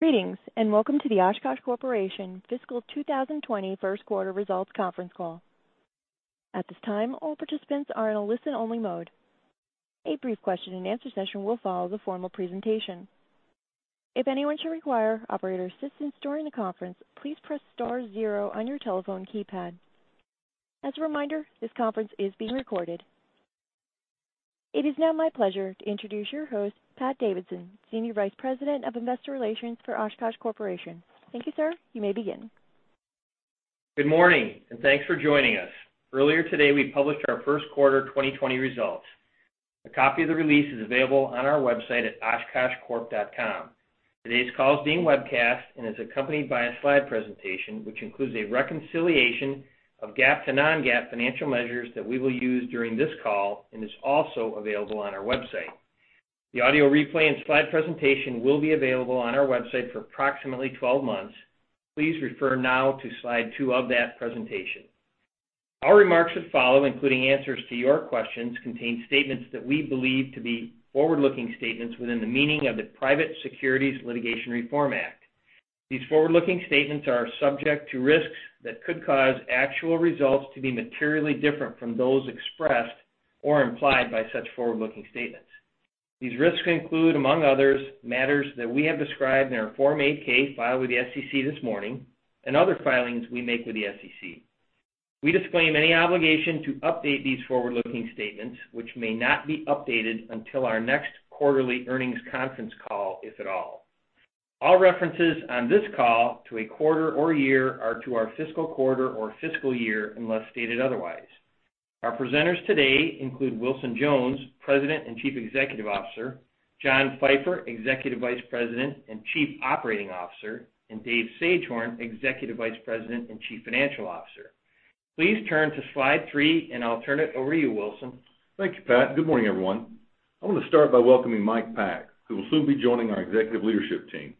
Greetings, and welcome to the Oshkosh Corporation Fiscal 2020 First Quarter Results Conference Call. At this time, all participants are in a listen-only mode. A brief question-and-answer session will follow the formal presentation. If anyone should require operator assistance during the conference, please press star zero on your telephone keypad. As a reminder, this conference is being recorded. It is now my pleasure to introduce your host, Pat Davidson, Senior Vice President of Investor Relations for Oshkosh Corporation. Thank you, sir. You may begin. Good morning, and thanks for joining us. Earlier today, we published our first quarter 2020 results. A copy of the release is available on our website at oshkoshcorp.com. Today's call is being webcast and is accompanied by a slide presentation, which includes a reconciliation of GAAP to non-GAAP financial measures that we will use during this call and is also available on our website. The audio replay and slide presentation will be available on our website for approximately 12 months. Please refer now to slide two of that presentation. Our remarks that follow, including answers to your questions, contain statements that we believe to be forward-looking statements within the meaning of the Private Securities Litigation Reform Act. These forward-looking statements are subject to risks that could cause actual results to be materially different from those expressed or implied by such forward-looking statements. These risks include, among others, matters that we have described in our Form 8-K filed with the SEC this morning and other filings we make with the SEC. We disclaim any obligation to update these forward-looking statements, which may not be updated until our next quarterly earnings conference call, if at all. All references on this call to a quarter or year are to our fiscal quarter or fiscal year, unless stated otherwise. Our presenters today include Wilson Jones, President and Chief Executive Officer; John Pfeifer, Executive Vice President and Chief Operating Officer; and David Sagehorn, Executive Vice President and Chief Financial Officer. Please turn to slide three, and I'll turn it over to you, Wilson. Thank you, Pat. Good morning, everyone. I want to start by welcoming Mike Pack, who will soon be joining our executive leadership team.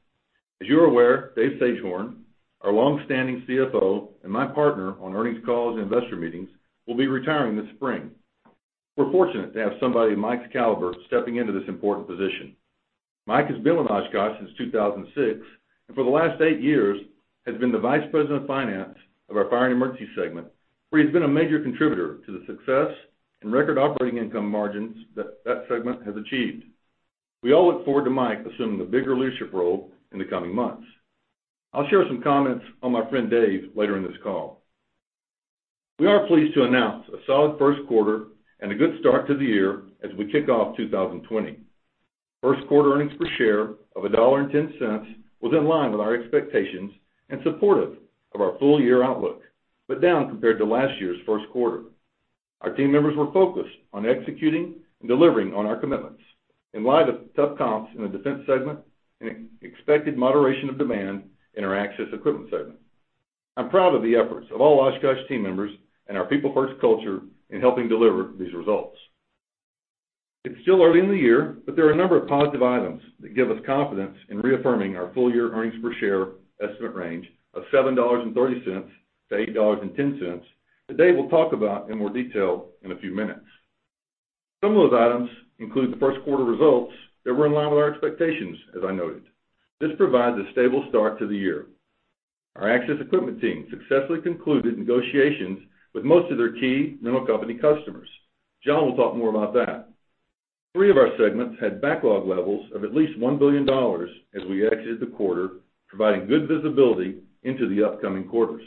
As you are aware, Dave Sagehorn, our long-standing CFO and my partner on earnings calls and investor meetings, will be retiring this spring. We're fortunate to have somebody of Mike's caliber stepping into this important position. Mike has been in Oshkosh since 2006, and for the last eight years, has been the Vice President of Finance of our Fire & Emergency segment, where he's been a major contributor to the success and record operating income margins that that segment has achieved. We all look forward to Mike assuming the bigger leadership role in the coming months. I'll share some comments on my friend Dave later in this call. We are pleased to announce a solid first quarter and a good start to the year as we kick off 2020. First quarter earnings per share of $1.10 was in line with our expectations and supportive of our full year outlook, but down compared to last year's first quarter. Our team members were focused on executing and delivering on our commitments in light of tough comps in the Defense segment and expected moderation of demand in our Access Equipment segment. I'm proud of the efforts of all Oshkosh team members and our people first culture in helping deliver these results. It's still early in the year, but there are a number of positive items that give us confidence in reaffirming our full-year earnings per share estimate range of $7.30-$8.10 that Dave will talk about in more detail in a few minutes. Some of those items include the first quarter results that were in line with our expectations, as I noted. This provides a stable start to the year. Our Access Equipment team successfully concluded negotiations with most of their key major company customers. John will talk more about that. Three of our segments had backlog levels of at least $1 billion as we exited the quarter, providing good visibility into the upcoming quarters.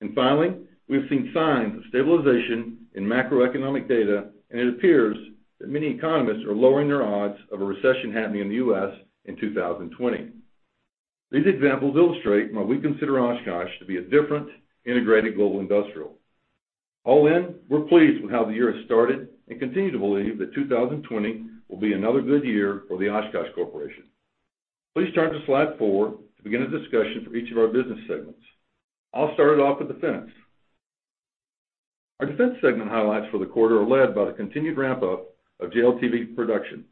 And finally, we've seen signs of stabilization in macroeconomic data, and it appears that many economists are lowering their odds of a recession happening in the U.S. in 2020. These examples illustrate why we consider Oshkosh to be a different, integrated global industrial. All in, we're pleased with how the year has started and continue to believe that 2020 will be another good year for the Oshkosh Corporation. Please turn to slide four to begin a discussion for each of our business segments. I'll start it off with Defense. Our Defense segment highlights for the quarter are led by the continued ramp-up of JLTV production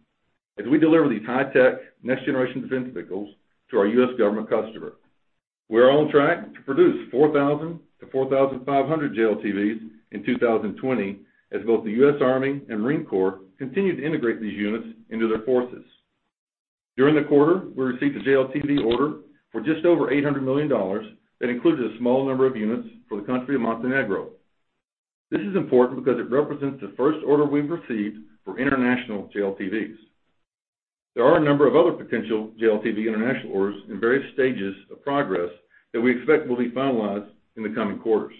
as we deliver these high-tech, next-generation defense vehicles to our U.S. government customer. We're on track to produce 4,000-4,500 JLTVs in 2020, as both the U.S. Army and Marine Corps continue to integrate these units into their forces. During the quarter, we received a JLTV order for just over $800 million that included a small number of units for the country of Montenegro. This is important because it represents the first order we've received for international JLTVs. There are a number of other potential JLTV international orders in various stages of progress that we expect will be finalized in the coming quarters.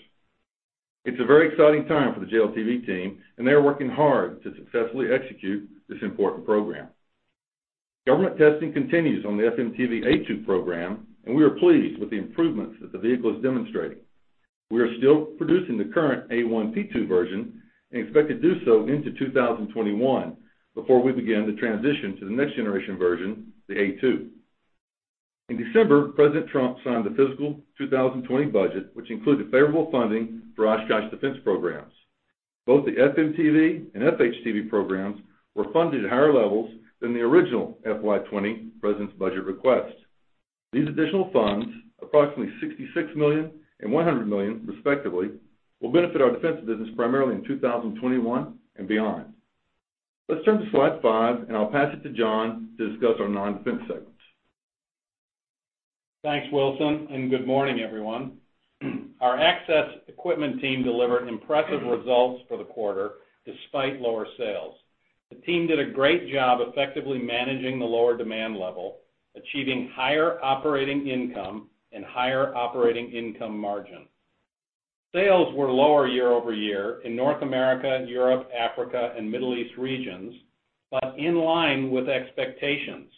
It's a very exciting time for the JLTV team, and they are working hard to successfully execute this important program. Government testing continues on the FMTV A2 program, and we are pleased with the improvements that the vehicle is demonstrating. We are still producing the current A1P2 version and expect to do so into 2021 before we begin the transition to the next generation version, the A2. In December, President Trump signed the fiscal 2020 budget, which included favorable funding for Oshkosh Defense programs. Both the FMTV and FHTV programs were funded at higher levels than the original FY 2020 President's budget request. These additional funds, approximately $66 million and $100 million, respectively, will benefit our Defense business primarily in 2021 and beyond. Let's turn to slide five, and I'll pass it to John to discuss our non-defense segments. Thanks, Wilson, and good morning, everyone. Our access equipment team delivered impressive results for the quarter despite lower sales. The team did a great job effectively managing the lower demand level, achieving higher operating income and higher operating income margin. Sales were lower year-over-year in North America, and Europe, Africa, and Middle East regions, but in line with expectations.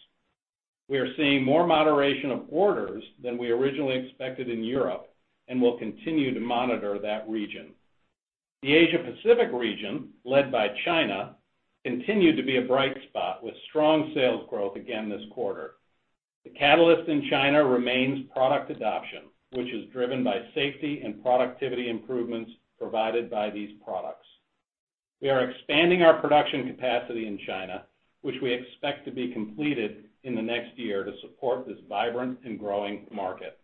We are seeing more moderation of orders than we originally expected in Europe, and we'll continue to monitor that region. The Asia Pacific region, led by China, continued to be a bright spot, with strong sales growth again this quarter. The catalyst in China remains product adoption, which is driven by safety and productivity improvements provided by these products. We are expanding our production capacity in China, which we expect to be completed in the next year to support this vibrant and growing market.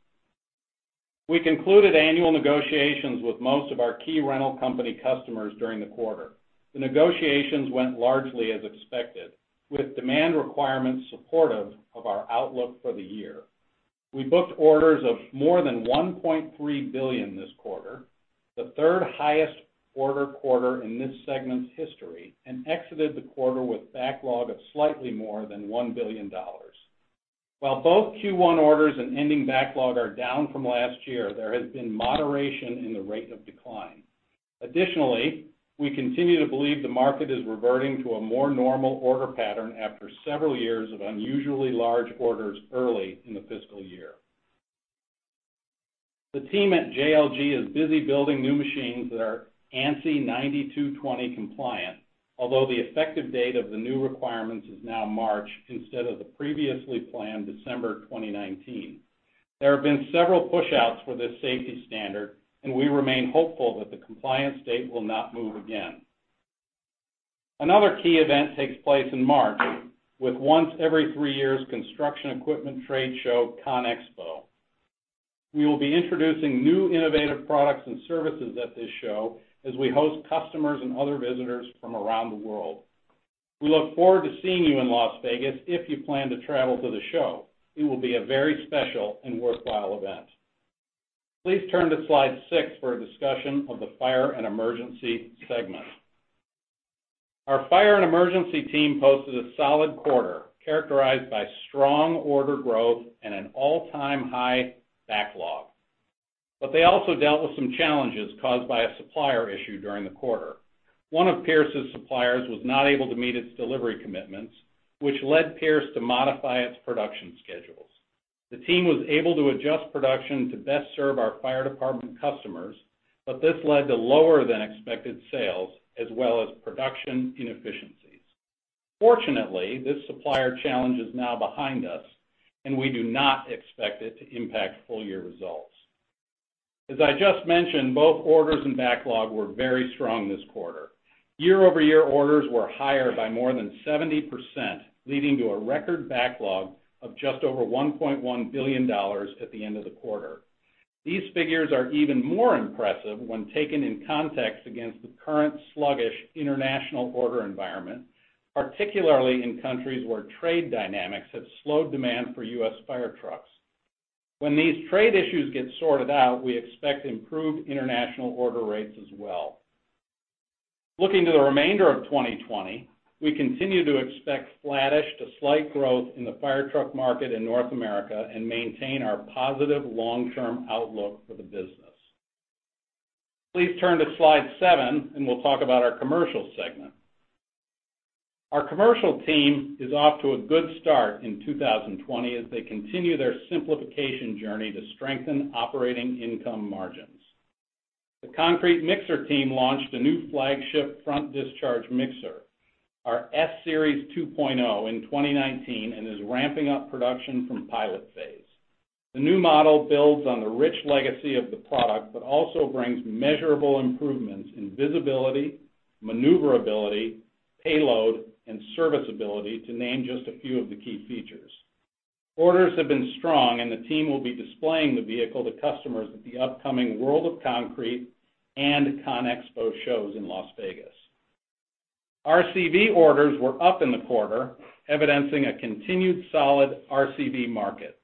We concluded annual negotiations with most of our key rental company customers during the quarter. The negotiations went largely as expected, with demand requirements supportive of our outlook for the year. We booked orders of more than $1.3 billion this quarter, the third highest order quarter in this segment's history, and exited the quarter with backlog of slightly more than $1 billion. While both Q1 orders and ending backlog are down from last year, there has been moderation in the rate of decline. Additionally, we continue to believe the market is reverting to a more normal order pattern after several years of unusually large orders early in the fiscal year. The team at JLG is busy building new machines that are ANSI 92.20 compliant, although the effective date of the new requirements is now March instead of the previously planned December 2019. There have been several pushouts for this safety standard, and we remain hopeful that the compliance date will not MOVE again. Another key event takes place in March, with once every three years construction equipment trade show, ConExpo. We will be introducing new innovative products and services at this show as we host customers and other visitors from around the world. We look forward to seeing you in Las Vegas if you plan to travel to the show. It will be a very special and worthwhile event. Please turn to slide six for a discussion of the fire and emergency segment. Our fire and emergency team posted a solid quarter, characterized by strong order growth and an all-time high backlog. But they also dealt with some challenges caused by a supplier issue during the quarter. One of Pierce's suppliers was not able to meet its delivery commitments, which led Pierce to modify its production schedules. The team was able to adjust production to best serve our fire department customers, but this led to lower than expected sales as well as production inefficiencies. Fortunately, this supplier challenge is now behind us, and we do not expect it to impact full year results. As I just mentioned, both orders and backlog were very strong this quarter. Year-over-year orders were higher by more than 70%, leading to a record backlog of just over $1.1 billion at the end of the quarter. These figures are even more impressive when taken in context against the current sluggish international order environment, particularly in countries where trade dynamics have slowed demand for U.S. fire trucks. When these trade issues get sorted out, we expect improved international order rates as well. Looking to the remainder of 2020, we continue to expect flattish to slight growth in the fire truck market in North America and maintain our positive long-term outlook for the business. Please turn to slide seven, and we'll talk about our Commercial segment. Our commercial team is off to a good start in 2020 as they continue their simplification journey to strengthen operating income margins. The concrete mixer team launched a new flagship front discharge mixer, our S-Series 2.0, in 2019, and is ramping up production from pilot phase. The new model builds on the rich legacy of the product, but also brings measurable improvements in visibility, maneuverability, payload, and serviceability, to name just a few of the key features. Orders have been strong, and the team will be displaying the vehicle to customers at the upcoming World of Concrete and ConExpo shows in Las Vegas. RCV orders were up in the quarter, evidencing a continued solid RCV market.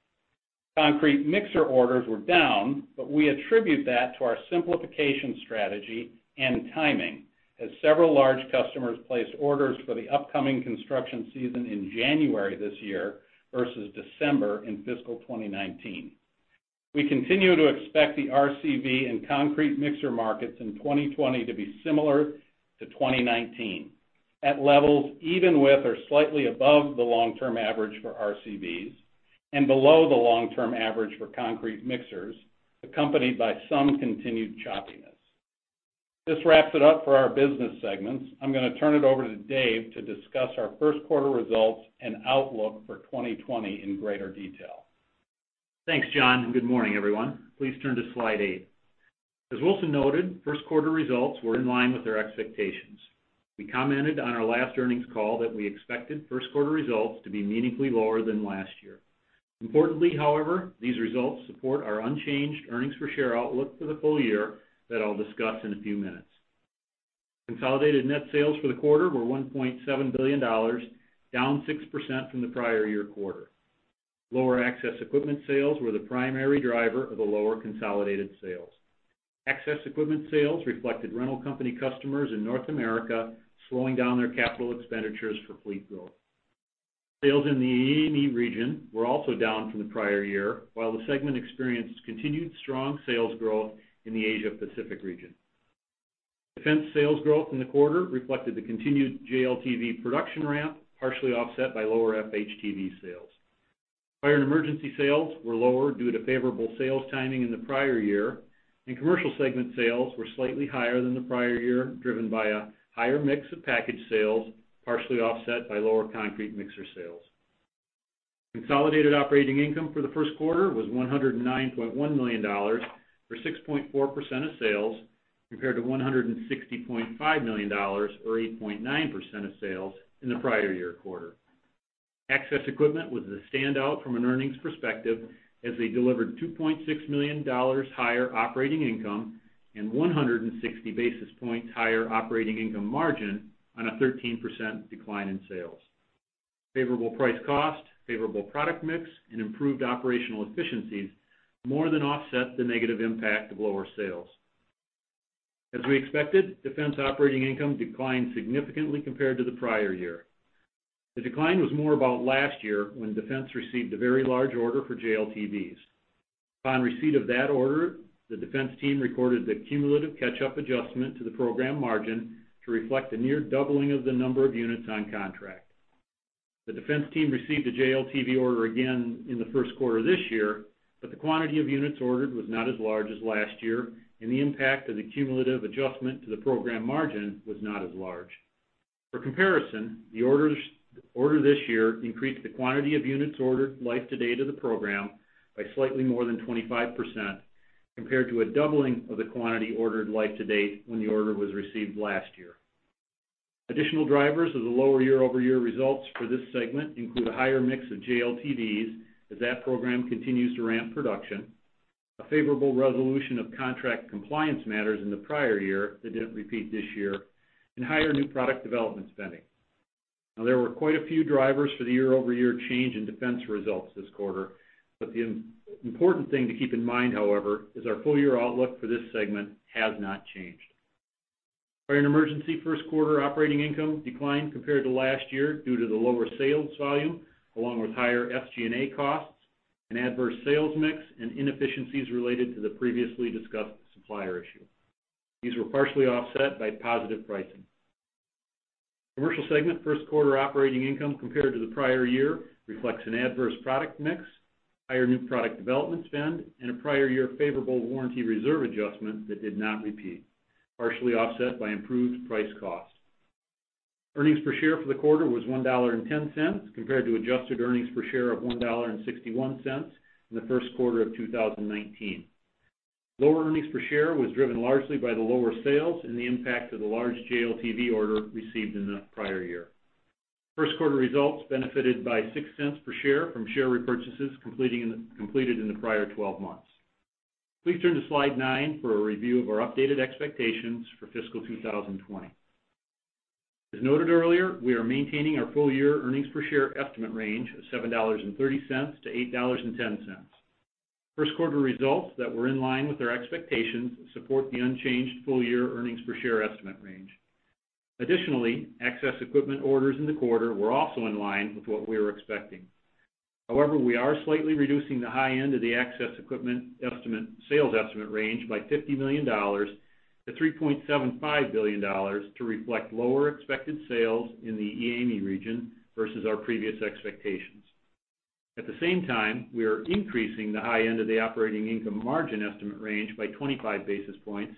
Concrete mixer orders were down, but we attribute that to our simplification strategy and timing, as several large customers placed orders for the upcoming construction season in January this year versus December in fiscal 2019. We continue to expect the RCV and concrete mixer markets in 2020 to be similar to 2019, at levels even with or slightly above the long-term average for RCVs and below the long-term average for concrete mixers, accompanied by some continued choppiness. This wraps it up for our business segments. I'm going to turn it over to Dave to discuss our first quarter results and outlook for 2020 in greater detail. Thanks, John, and good morning, everyone. Please turn to slide eight. As Wilson noted, first quarter results were in line with our expectations. We commented on our last earnings call that we expected first quarter results to be meaningfully lower than last year. Importantly, however, these results support our unchanged earnings per share outlook for the full year that I'll discuss in a few minutes. Consolidated net sales for the quarter were $1.7 billion, down 6% from the prior year quarter. Lower access equipment sales were the primary driver of the lower consolidated sales. Access equipment sales reflected rental company customers in North America, slowing down their capital expenditures for fleet growth. Sales in the EAME region were also down from the prior year, while the segment experienced continued strong sales growth in the Asia Pacific region. Defense sales growth in the quarter reflected the continued JLTV production ramp, partially offset by lower FHTV sales. Fire and Emergency sales were lower due to favorable sales timing in the prior year, and commercial segment sales were slightly higher than the prior year, driven by a higher mix of package sales, partially offset by lower concrete mixer sales. Consolidated operating income for the first quarter was $109.1 million, or 6.4% of sales, compared to $160.5 million, or 8.9% of sales, in the prior year quarter. Access equipment was the standout from an earnings perspective, as they delivered $2.6 million higher operating income and 160 basis points higher operating income margin on a 13% decline in sales. Favorable price/ cost, favorable product mix, and improved operational efficiencies more than offset the negative impact of lower sales. As we expected, Defense operating income declined significantly compared to the prior year. The decline was more about last year, when Defense received a very large order for JLTVs. Upon receipt of that order, the Defense team recorded the cumulative catch-up adjustment to the program margin to reflect the near doubling of the number of units on contract. The Defense team received a JLTV order again in the first quarter this year, but the quantity of units ordered was not as large as last year, and the impact of the cumulative adjustment to the program margin was not as large. For comparison, the order this year increased the quantity of units ordered life to date of the program by slightly more than 25%, compared to a doubling of the quantity ordered life to date when the order was received last year. Additional drivers of the lower year-over-year results for this segment include a higher mix of JLTVs, as that program continues to ramp production, a favorable resolution of contract compliance matters in the prior year that didn't repeat this year, and higher new product development spending. Now, there were quite a few drivers for the year-over-year change in Defense results this quarter, but the important thing to keep in mind, however, is our full-year outlook for this segment has not changed. Our Fire & Emergency first quarter operating income declined compared to last year due to the lower sales volume, along with higher SG&A costs and adverse sales mix and inefficiencies related to the previously discussed supplier issue. These were partially offset by positive pricing. Commercial segment first quarter operating income compared to the prior year reflects an adverse product mix, higher new product development spend, and a prior year favorable warranty reserve adjustment that did not repeat, partially offset by improved price costs. Earnings per share for the quarter was $1.10, compared to adjusted earnings per share of $1.61 in the first quarter of 2019. Lower earnings per share was driven largely by the lower sales and the impact of the large JLTV order received in the prior year. First quarter results benefited by $0.06 per share from share repurchases completed in the prior 12 months. Please turn to Slide 9 for a review of our updated expectations for fiscal 2020. As noted earlier, we are maintaining our full-year earnings per share estimate range of $7.30-$8.10. First quarter results that were in line with our expectations support the unchanged full-year earnings per share estimate range. Additionally, access equipment orders in the quarter were also in line with what we were expecting. However, we are slightly reducing the high end of the access equipment sales estimate range by $50 million to $3.75 billion to reflect lower expected sales in the EAME region versus our previous expectations. At the same time, we are increasing the high end of the operating income margin estimate range by 25 basis points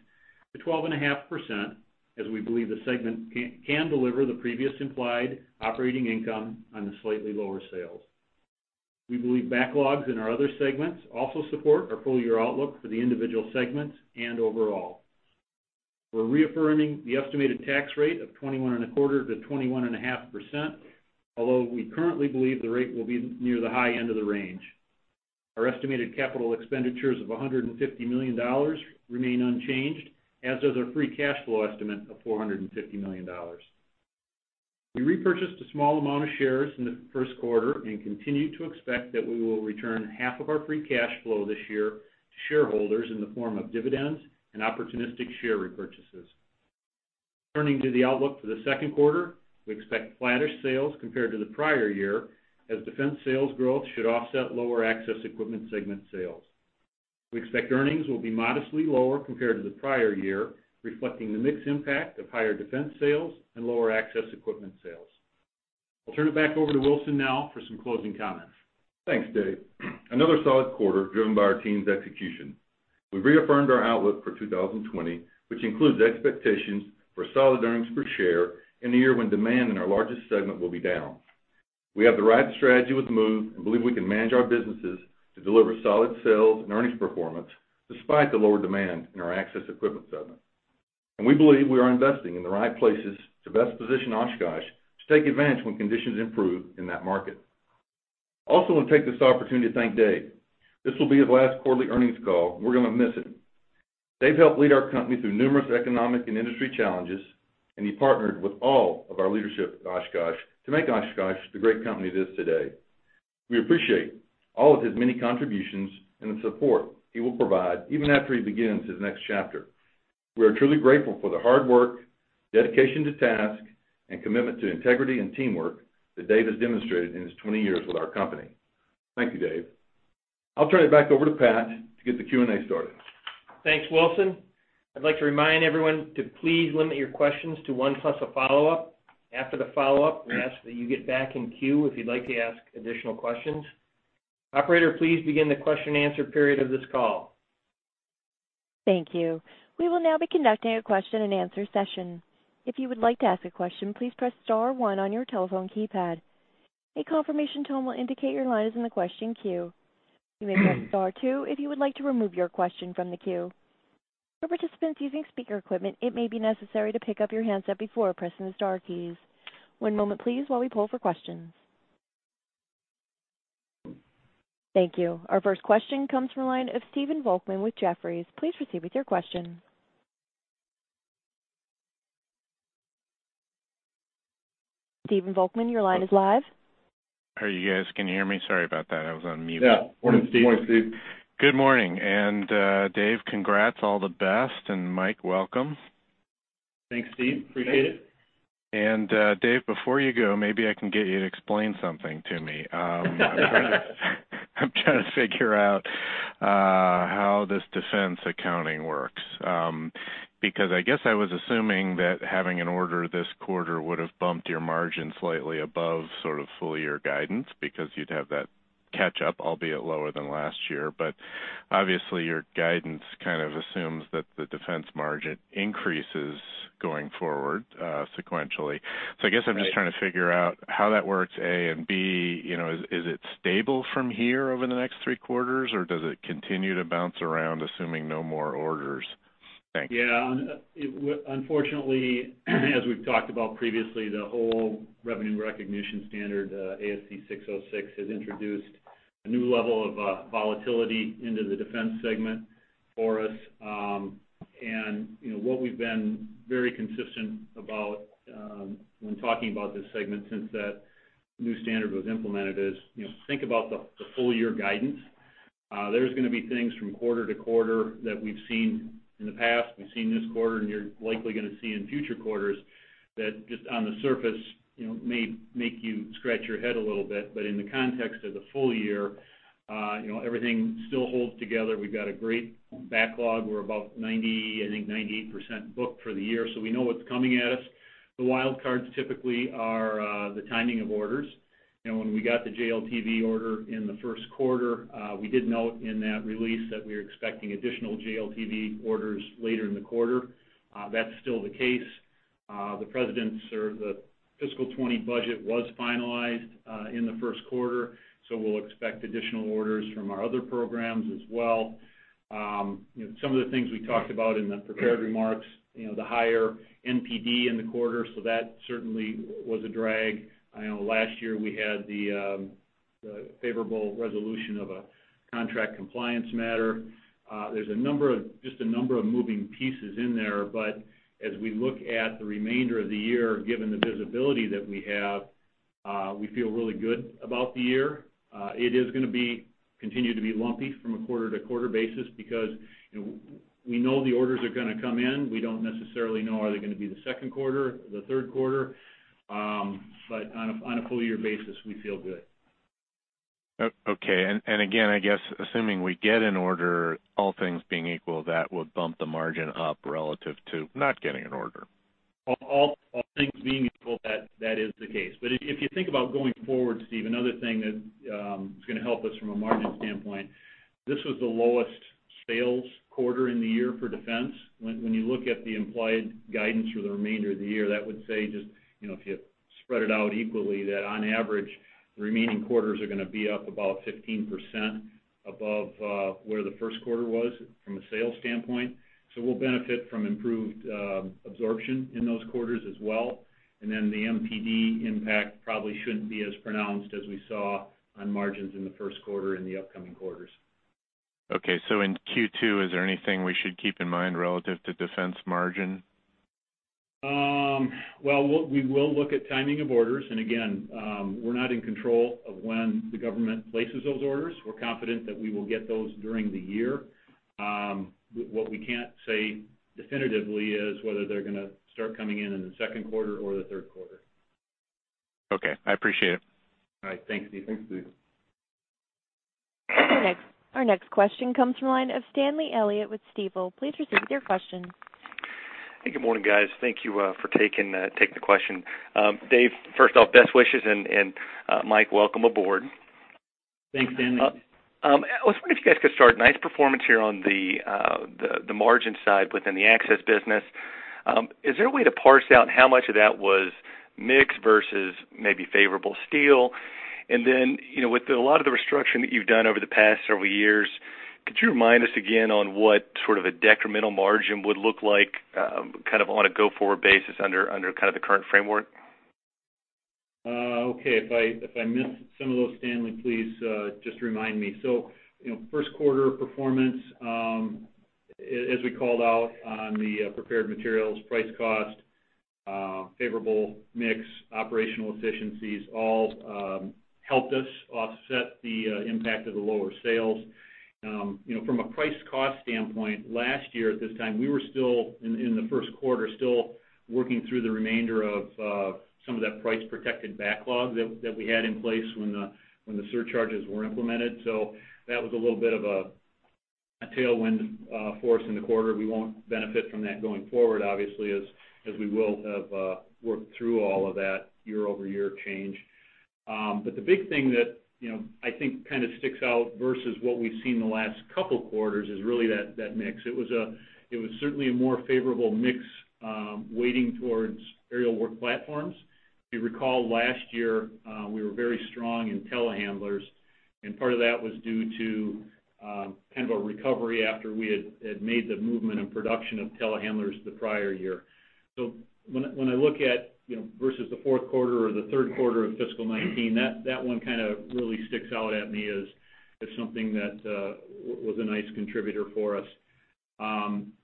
to 12.5%, as we believe the segment can deliver the previous implied operating income on the slightly lower sales. We believe backlogs in our other segments also support our full-year outlook for the individual segments and overall. We're reaffirming the estimated tax rate of 21.25%-21.5%, although we currently believe the rate will be near the high end of the range. Our estimated capital expenditures of $150 million remain unchanged, as does our free cash flow estimate of $450 million. We repurchased a small amount of shares in the first quarter and continue to expect that we will return half of our free cash flow this year to shareholders in the form of dividends and opportunistic share repurchases. Turning to the outlook for the second quarter, we expect flattish sales compared to the prior year, as Defense sales growth should offset lower access equipment segment sales. We expect earnings will be modestly lower compared to the prior year, reflecting the mixed impact of higher Defense sales and lower access equipment sales. I'll turn it back over to Wilson now for some closing comments. Thanks, Dave. Another solid quarter driven by our team's execution. We've reaffirmed our outlook for 2020, which includes expectations for solid earnings per share in a year when demand in our largest segment will be down. We have the right strategy with move and believe we can manage our businesses to deliver solid sales and earnings performance despite the lower demand in our access equipment segment... and we believe we are investing in the right places to best position Oshkosh to take advantage when conditions improve in that market. Also, I want to take this opportunity to thank Dave. This will be his last quarterly earnings call. We're going to miss him. Dave helped lead our company through numerous economic and industry challenges, and he partnered with all of our leadership at Oshkosh to make Oshkosh the great company it is today. We appreciate all of his many contributions and the support he will provide even after he begins his next chapter. We are truly grateful for the hard work, dedication to task, and commitment to integrity and teamwork that Dave has demonstrated in his 20 years with our company. Thank you, Dave. I'll turn it back over to Pat to get the Q&A started. Thanks, Wilson. I'd like to remind everyone to please limit your questions to one, plus a follow-up. After the follow-up, we ask that you get back in queue if you'd like to ask additional questions. Operator, please begin the question-and-answer period of this call. Thank you. We will now be conducting a question-and-answer session. If you would like to ask a question, please press star one on your telephone keypad. A confirmation tone will indicate your line is in the question queue. You may press star two if you would like to remove your question from the queue. For participants using speaker equipment, it may be necessary to pick up your handset before pressing the star keys. One moment, please, while we pull for questions. Thank you. Our first question comes from the line of Stephen Volkmann with Jefferies. Please proceed with your question. Stephen Volkmann, your line is live. Hi, you guys. Can you hear me? Sorry about that. I was on mute. Yeah. Morning, Steve. Morning, Steve. Good morning. Dave, congrats, all the best, and Mike, welcome. Thanks, Steve. Appreciate it. Dave, before you go, maybe I can get you to explain something to me. I'm trying to figure out how this defense accounting works. Because I guess I was assuming that having an order this quarter would have bumped your margin slightly above sort of full year guidance, because you'd have that catch up, albeit lower than last year. Obviously, your guidance kind of assumes that the defense margin increases going forward, sequentially. Right. I guess I'm just trying to figure out how that works, A, and B, you know, is, is it stable from here over the next three quarters, or does it continue to bounce around, assuming no more orders? Thanks. Yeah, and, it unfortunately, as we've talked about previously, the whole revenue recognition standard, ASC 606, has introduced a new level of, volatility into the defense segment for us. And, you know, what we've been very consistent about, when talking about this segment since that new standard was implemented is, you know, think about the, the full year guidance. There's gonna be things from quarter to quarter that we've seen in the past, we've seen this quarter, and you're likely gonna see in future quarters, that just on the surface, you know, may make you scratch your head a little bit. But in the context of the full year, you know, everything still holds together. We've got a great backlog. We're about 90, I think, 98% booked for the year, so we know what's coming at us. The wild cards typically are the timing of orders. You know, when we got the JLTV order in the first quarter, we did note in that release that we were expecting additional JLTV orders later in the quarter. That's still the case. The president's or the fiscal 2020 budget was finalized in the first quarter, so we'll expect additional orders from our other programs as well. You know, some of the things we talked about in the prepared remarks, you know, the higher NPD in the quarter, so that certainly was a drag. I know last year we had the, the favorable resolution of a contract compliance matter. There's a number of moving pieces in there, but as we look at the remainder of the year, given the visibility that we have, we feel really good about the year. It is gonna continue to be lumpy from a quarter-to-quarter basis because, you know, we know the orders are gonna come in. We don't necessarily know, are they gonna be the second quarter, the third quarter? But on a full year basis, we feel good. Okay. And again, I guess, assuming we get an order, all things being equal, that would bump the margin up relative to not getting an order. All things being equal, that is the case. But if you think about going forward, Steve, another thing that is gonna help us from a margin standpoint, this was the lowest sales quarter in the year for defense. When you look at the implied guidance for the remainder of the year, that would say just, you know, if you spread it out equally, that on average, the remaining quarters are gonna be up about 15% above where the first quarter was from a sales standpoint. So we'll benefit from improved absorption in those quarters as well. And then the NPD impact probably shouldn't be as pronounced as we saw on margins in the first quarter in the upcoming quarters. Okay. So in Q2, is there anything we should keep in mind relative to defense margin? Well, we will look at timing of orders, and again, we're not in control of when the government places those orders. We're confident that we will get those during the year. What we can't say definitively is whether they're gonna start coming in in the second quarter or the third quarter. Okay, I appreciate it. All right. Thanks, Steve. Thanks, Steve. Our next question comes from the line of Stanley Elliott with Stifel. Please proceed with your question. Hey, good morning, guys. Thank you for taking the question. Dave, first off, best wishes, and Mike, welcome aboard. Thanks, Stanley. I was wondering if you guys could start. Nice performance here on the margin side within the access business. Is there a way to parse out how much of that was mix versus maybe favorable steel?... And then, you know, with a lot of the restructuring that you've done over the past several years, could you remind us again on what sort of a decremental margin would look like, kind of on a go-forward basis under kind of the current framework? Okay. If I, if I missed some of those, Stanley, please, just remind me. So, you know, first quarter performance, as, as we called out on the, prepared materials, price cost, favorable mix, operational efficiencies, all, helped us offset the, impact of the lower sales. You know, from a price cost standpoint, last year at this time, we were still in, in the first quarter, still working through the remainder of, some of that price-protected backlog that, that we had in place when the, when the surcharges were implemented. So that was a little bit of a, a tailwind, for us in the quarter. We won't benefit from that going forward, obviously, as, as we will have, worked through all of that year-over-year change. But the big thing that, you know, I think kind of sticks out versus what we've seen in the last couple of quarters is really that mix. It was certainly a more favorable mix, weighting towards aerial work platforms. If you recall, last year, we were very strong in telehandlers, and part of that was due to kind of a recovery after we had made the movement of production of telehandlers the prior year. So when I look at, you know, versus the fourth quarter or the third quarter of fiscal 2019, that one kind of really sticks out at me as something that was a nice contributor for us.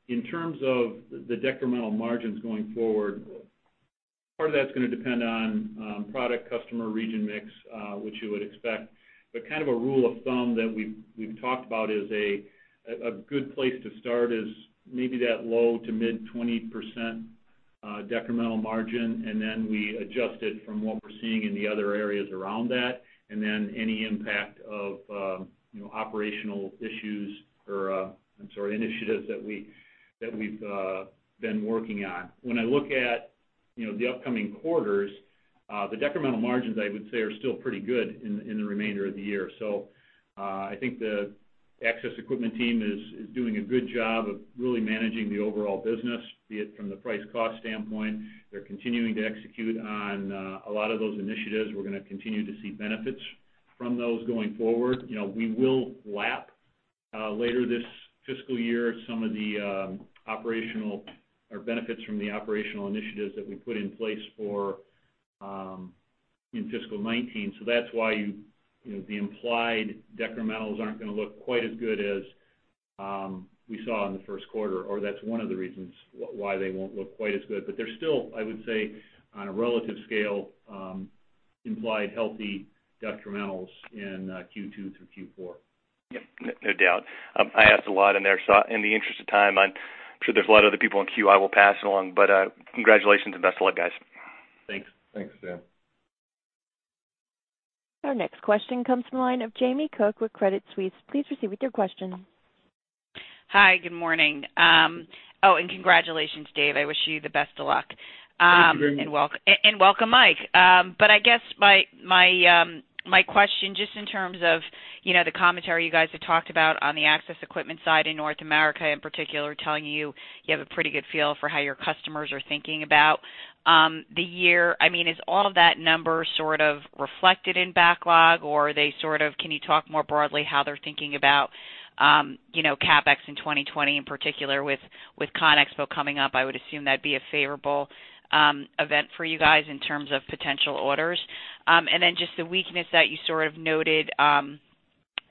In terms of the decremental margins going forward, part of that's gonna depend on product, customer, region mix, which you would expect. But kind of a rule of thumb that we've talked about is a good place to start is maybe that low- to mid-20% decremental margin, and then we adjust it from what we're seeing in the other areas around that, and then any impact of, you know, operational issues or, I'm sorry, initiatives that we've been working on. When I look at, you know, the upcoming quarters, the decremental margins, I would say, are still pretty good in the remainder of the year. So, I think the access equipment team is doing a good job of really managing the overall business, be it from the price cost standpoint. They're continuing to execute on a lot of those initiatives. We're gonna continue to see benefits from those going forward. You know, we will lap later this fiscal year some of the operational or benefits from the operational initiatives that we put in place for in fiscal 2019. So that's why, you know, the implied decrementals aren't gonna look quite as good as we saw in the first quarter, or that's one of the reasons why they won't look quite as good. But they're still, I would say, on a relative scale, implied healthy decrementals in Q2 through Q4. Yep, no doubt. I asked a lot in there, so in the interest of time, I'm sure there's a lot of other people in queue. I will pass along, but congratulations and best of luck, guys. Thanks. Thanks, Dan. Our next question comes from the line of Jamie Cook with Credit Suisse. Please proceed with your question. Hi, good morning. Oh, and congratulations, Dave. I wish you the best of luck. Thank you, Jamie. Welcome, Mike. But I guess my question, just in terms of, you know, the commentary you guys have talked about on the access equipment side in North America, in particular, telling you, you have a pretty good feel for how your customers are thinking about the year. I mean, is all of that number sort of reflected in backlog, or are they sort of can you talk more broadly how they're thinking about, you know, CapEx in 2020, in particular, with ConExpo coming up? I would assume that'd be a favorable event for you guys in terms of potential orders. And then just the weakness that you sort of noted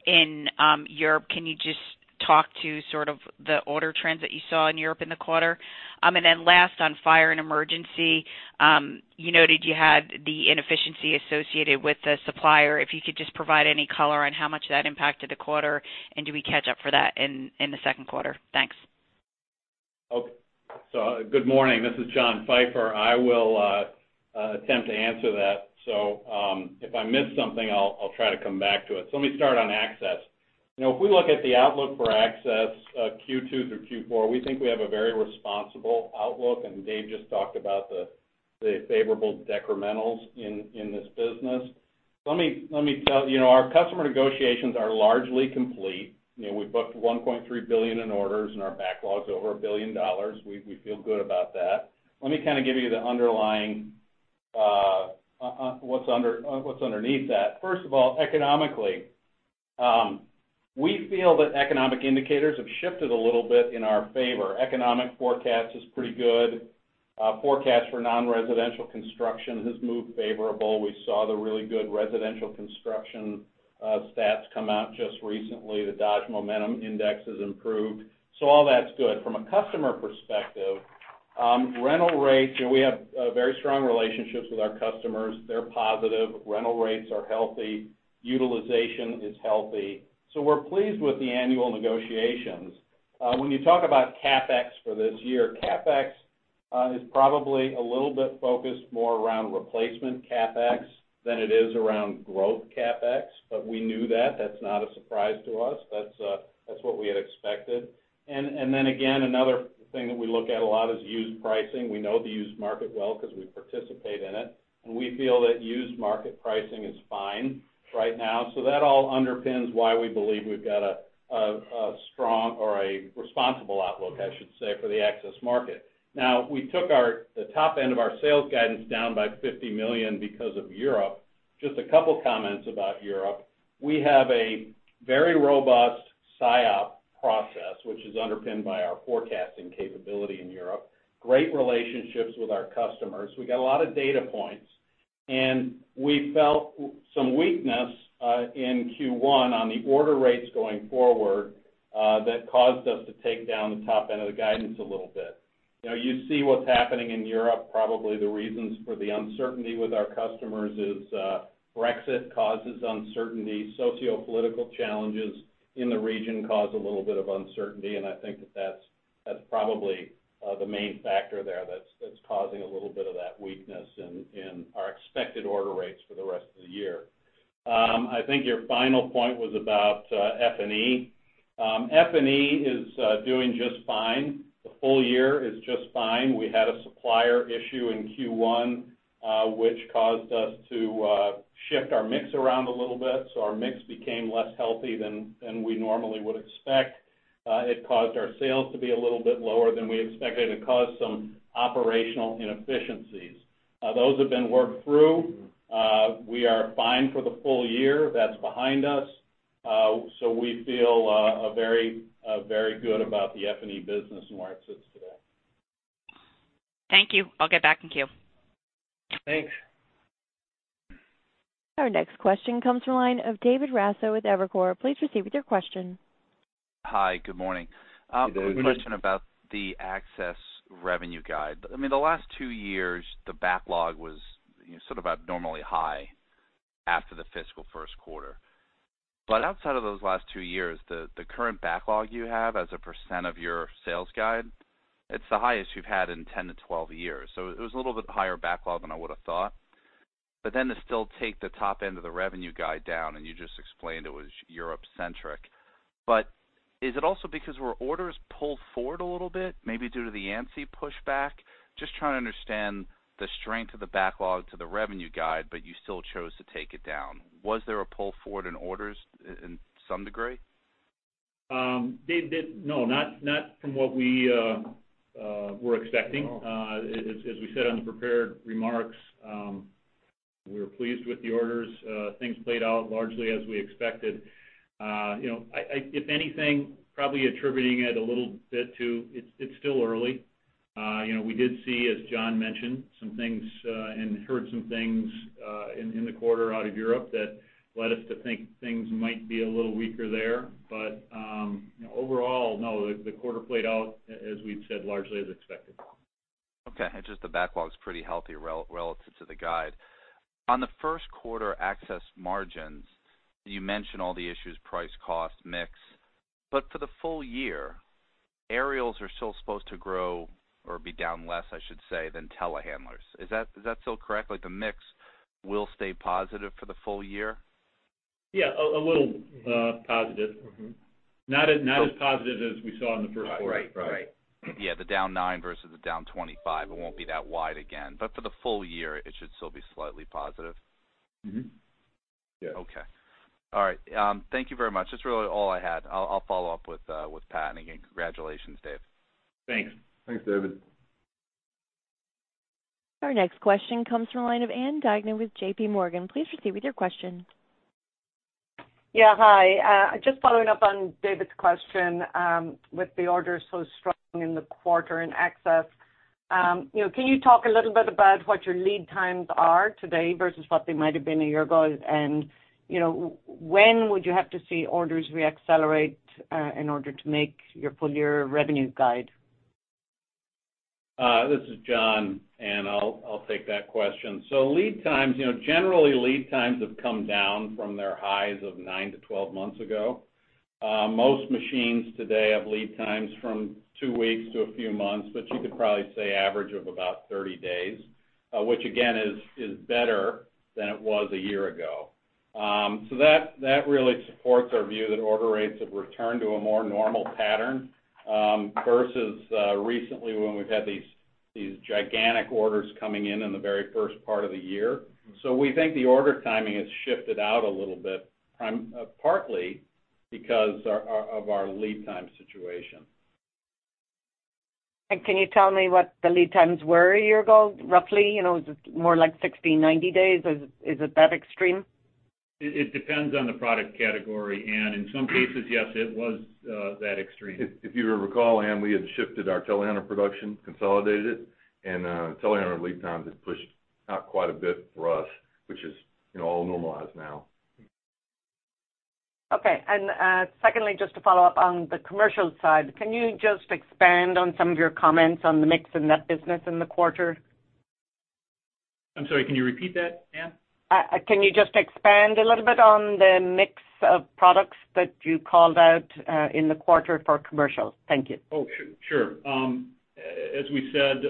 in Europe, can you just talk to sort of the order trends that you saw in Europe in the quarter? And then last on fire and emergency, you noted you had the inefficiency associated with the supplier. If you could just provide any color on how much that impacted the quarter, and do we catch up for that in the second quarter? Thanks. Okay. So good morning. This is John Pfeifer. I will attempt to answer that. So, if I miss something, I'll try to come back to it. So let me start on access. You know, if we look at the outlook for access, Q2 through Q4, we think we have a very responsible outlook, and Dave just talked about the favorable decrementals in this business. Let me tell you, you know, our customer negotiations are largely complete. You know, we booked $1.3 billion in orders, and our backlog's over $1 billion. We feel good about that. Let me kind of give you the underlying, what's underneath that. First of all, economically, we feel that economic indicators have shifted a little bit in our favor. Economic forecast is pretty good. Forecast for non-residential construction has moved favorable. We saw the really good residential construction, stats come out just recently. The Dodge Momentum Index has improved. So all that's good. From a customer perspective, rental rates, you know, we have, very strong relationships with our customers. They're positive, rental rates are healthy, utilization is healthy. So we're pleased with the annual negotiations. When you talk about CapEx for this year, CapEx, is probably a little bit focused more around replacement CapEx, than it is around growth CapEx. But we knew that. That's not a surprise to us. That's, that's what we had expected. And then again, another thing that we look at a lot is used pricing. We know the used market well because we participate in it, and we feel that used market pricing is fine right now. So that all underpins why we believe we've got a strong or a responsible outlook, I should say, for the access market. Now, we took the top end of our sales guidance down by $50 million because of Europe.... Just a couple of comments about Europe. We have a very robust SIOP process, which is underpinned by our forecasting capability in Europe, great relationships with our customers. We got a lot of data points, and we felt some weakness in Q1 on the order rates going forward, that caused us to take down the top end of the guidance a little bit. Now, you see what's happening in Europe, probably the reasons for the uncertainty with our customers is, Brexit causes uncertainty, sociopolitical challenges in the region cause a little bit of uncertainty, and I think that that's, that's probably the main factor there that's, that's causing a little bit of that weakness in our expected order rates for the rest of the year. I think your final point was about F&E. F&E is doing just fine. The full year is just fine. We had a supplier issue in Q1, which caused us to shift our mix around a little bit, so our mix became less healthy than we normally would expect. It caused our sales to be a little bit lower than we expected. It caused some operational inefficiencies. Those have been worked through. We are fine for the full year. That's behind us. So we feel a very, very good about the F&E business and where it sits today. Thank you. I'll get back in queue. Thanks. Our next question comes from the line of David Raso with Evercore. Please proceed with your question. Hi, good morning. Good morning. Quick question about the access revenue guide. I mean, the last two years, the backlog was, you know, sort of abnormally high after the fiscal first quarter. But outside of those last two years, the current backlog you have as a % of your sales guide, it's the highest you've had in 10-12 years. So it was a little bit higher backlog than I would have thought. But then to still take the top end of the revenue guide down, and you just explained it was Europe-centric. But is it also because where orders pulled forward a little bit, maybe due to the ANSI pushback? Just trying to understand the strength of the backlog to the revenue guide, but you still chose to take it down. Was there a pull forward in orders in some degree? Dave, no, not from what we were expecting. Oh. As we said on the prepared remarks, we're pleased with the orders. Things played out largely as we expected. You know, if anything, probably attributing it a little bit to, it's still early. You know, we did see, as John mentioned, some things and heard some things in the quarter out of Europe that led us to think things might be a little weaker there. But overall, no, the quarter played out, as we've said, largely as expected. Okay, and just the backlog's pretty healthy relative to the guide. On the first quarter access margins, you mentioned all the issues, price, cost, mix, but for the full year, aerials are still supposed to grow or be down less, I should say, than telehandlers. Is that, is that still correct? Like, the mix will stay positive for the full year? Yeah, a little positive. Mm-hmm. Not as positive as we saw in the first quarter. Right. Right. Yeah, the down nine versus the down 25, it won't be that wide again. But for the full year, it should still be slightly positive? Mm-hmm. Yeah. Okay. All right, thank you very much. That's really all I had. I'll follow up with Pat, and again, congratulations, Dave. Thanks. Thanks, David. Our next question comes from the line of Ann Duignan with J.P. Morgan. Please proceed with your question. Yeah, hi. Just following up on David's question, with the orders so strong in the quarter in access, you know, can you talk a little bit about what your lead times are today versus what they might have been a year ago? And, you know, when would you have to see orders reaccelerate, in order to make your full year revenue guide? This is John, and I'll, I'll take that question. So lead times, you know, generally, lead times have come down from their highs of nine-12 months ago. Most machines today have lead times from two weeks to a few months, but you could probably say average of about 30 days, which again, is, is better than it was a year ago. So that, that really supports our view that order rates have returned to a more normal pattern, versus recently when we've had these, these gigantic orders coming in in the very first part of the year. So we think the order timing has shifted out a little bit, partly because of our lead time situation. Can you tell me what the lead times were a year ago, roughly? You know, is it more like 60, 90 days? Is it that extreme? It, it depends on the product category, Anne. In some cases, yes, it was that extreme. If you recall, Anne, we had shifted our telehandler production, consolidated it, and telehandler lead times have pushed out quite a bit for us, which is, you know, all normalized now. Okay. And, secondly, just to follow up on the commercial side, can you just expand on some of your comments on the mix in that business in the quarter? I'm sorry, can you repeat that, Ann? Can you just expand a little bit on the mix of products that you called out, in the quarter for commercials? Thank you. Oh, sure. As we said,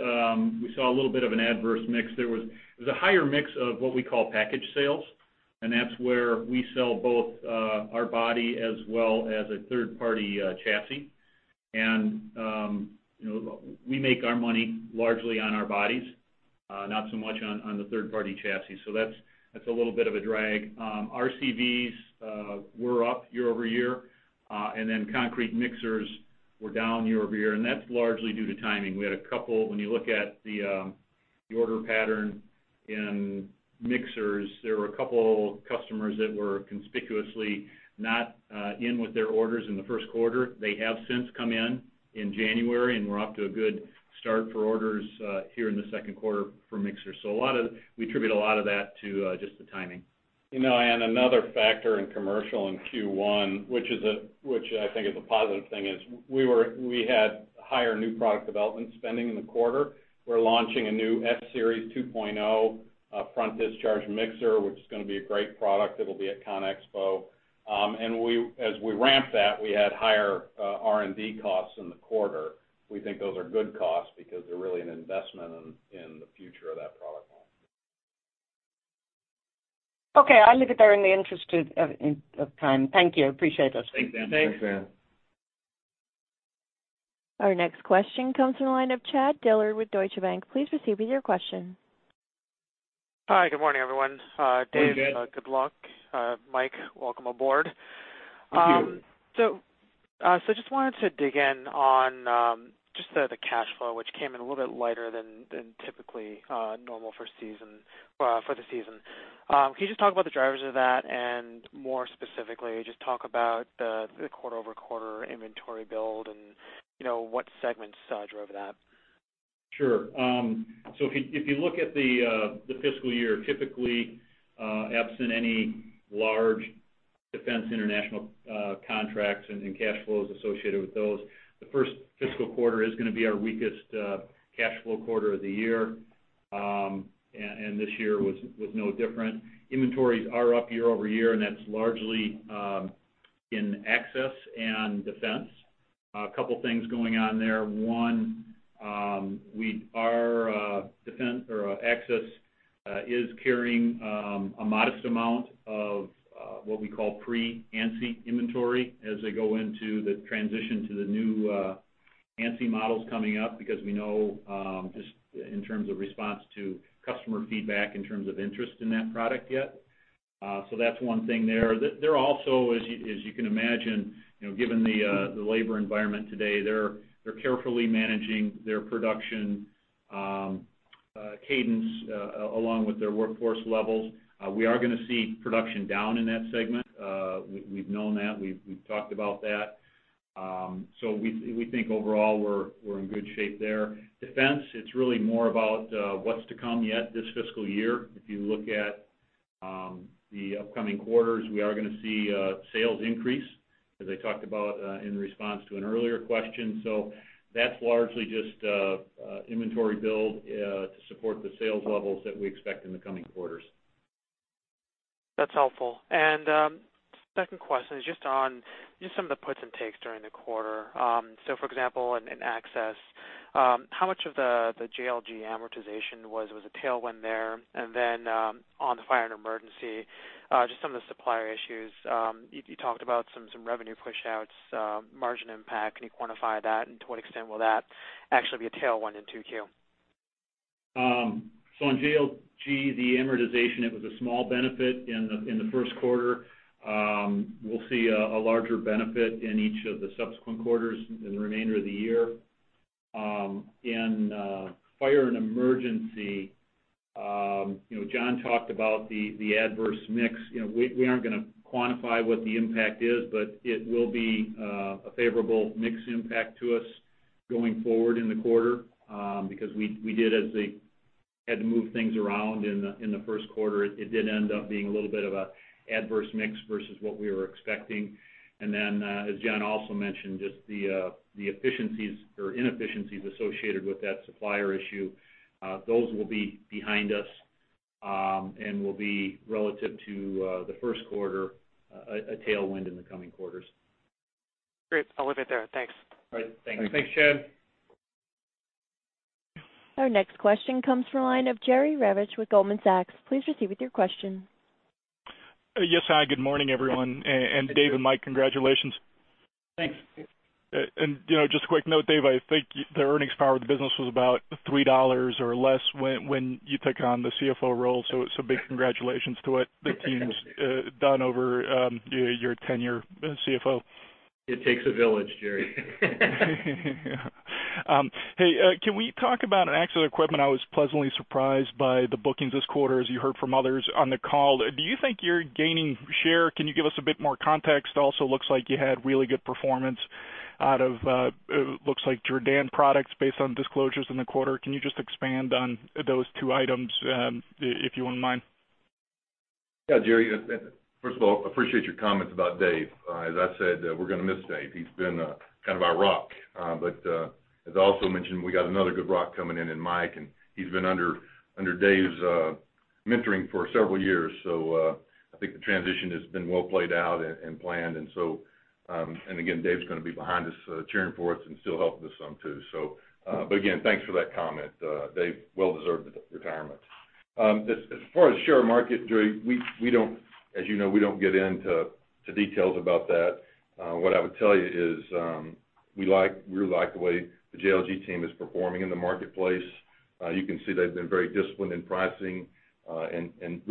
we saw a little bit of an adverse mix. There was a higher mix of what we call package sales, and that's where we sell both our body as well as a third-party chassis. And, you know, we make our money largely on our bodies, not so much on the third-party chassis. So that's a little bit of a drag. RCVs were up year-over-year, and then concrete mixers we're down year-over-year, and that's largely due to timing. We had a couple, when you look at the order pattern in mixers, there were a couple customers that were conspicuously not in with their orders in the first quarter. They have since come in in January, and we're off to a good start for orders here in the second quarter for mixers. So we attribute a lot of that to just the timing. You know, another factor in commercial in Q1, which I think is a positive thing, is we had higher new product development spending in the quarter. We're launching a new S-Series 2.0 front discharge mixer, which is gonna be a great product. It'll be at ConExpo. And we, as we ramp that, we had higher R&D costs in the quarter. We think those are good costs because they're really an investment in the future of that product line. Okay, I'll leave it there in the interest of time. Thank you. Appreciate it. Thanks, Ann. Thanks. Our next question comes from the line of Chad Dillard with Deutsche Bank. Please proceed with your question. Hi, good morning, everyone. Dave- Good morning, Chad. Good luck. Mike, welcome aboard. Thank you. So, just wanted to dig in on just the cash flow, which came in a little bit lighter than typically normal for the season. Can you just talk about the drivers of that, and more specifically, just talk about the quarter-over-quarter inventory build and, you know, what segments drove that? Sure. So if you, if you look at the fiscal year, typically, absent any large defense international contracts and cash flows associated with those, the first fiscal quarter is gonna be our weakest cash flow quarter of the year. And this year was no different. Inventories are up year-over-year, and that's largely in access and defense. A couple things going on there. One, we, our defense or access is carrying a modest amount of what we call pre-ANSI inventory as they go into the transition to the new ANSI models coming up, because we know just in terms of response to customer feedback, in terms of interest in that product yet. So that's one thing there. They're also, as you can imagine, you know, given the labor environment today, they're carefully managing their production cadence along with their workforce levels. We are gonna see production down in that segment. We've known that, we've talked about that. So we think overall, we're in good shape there. Defense, it's really more about what's to come yet this fiscal year. If you look at the upcoming quarters, we are gonna see sales increase, as I talked about in response to an earlier question. So that's largely just inventory build to support the sales levels that we expect in the coming quarters. That's helpful. Second question is just on just some of the puts and takes during the quarter. So for example, in Access, how much of the JLG amortization was a tailwind there? And then, on the fire and emergency, just some of the supplier issues. You talked about some revenue pushouts, margin impact. Can you quantify that? And to what extent will that actually be a tailwind in 2Q? So on JLG, the amortization, it was a small benefit in the first quarter. We'll see a larger benefit in each of the subsequent quarters in the remainder of the year. In Fire and Emergency, you know, John talked about the adverse mix. You know, we aren't gonna quantify what the impact is, but it will be a favorable mix impact to us going forward in the quarter. Because we had to move things around in the first quarter, it did end up being a little bit of a adverse mix versus what we were expecting. As John also mentioned, just the efficiencies or inefficiencies associated with that supplier issue will be behind us and will be, relative to the first quarter, a tailwind in the coming quarters. Great. I'll leave it there. Thanks. All right, thanks. Thanks, Chad. Our next question comes from the line of Jerry Revich with Goldman Sachs. Please proceed with your question. Yes, hi, good morning, everyone. Good morning. Dave and Mike, congratulations. Thanks. Thank you. And, you know, just a quick note, Dave. I think the earnings power of the business was about $3 or less when you took on the CFO role. So big congratulations to what the team's done over your tenure as CFO. It takes a village, Jerry. Hey, can we talk about, in Access Equipment, I was pleasantly surprised by the bookings this quarter, as you heard from others on the call. Do you think you're gaining share? Can you give us a bit more context? Also, looks like you had really good performance out of, looks like Jerr-Dan products, based on disclosures in the quarter. Can you just expand on those two items, if you wouldn't mind? Yeah, Jerry, first of all, appreciate your comments about Dave. As I said, we're gonna miss Dave. He's been kind of our rock, but as I also mentioned, we got another good rock coming in in Mike, and he's been under Dave's mentoring for several years. So, I think the transition has been well played out and planned, and so... And again, Dave's gonna be behind us cheering for us and still helping us some, too. So, but again, thanks for that comment. Dave, well-deserved retirement. As far as share market, Jerry, we don't, as you know, we don't get into details about that. What I would tell you is, we like, we really like the way the JLG team is performing in the marketplace. You can see they've been very disciplined in pricing, and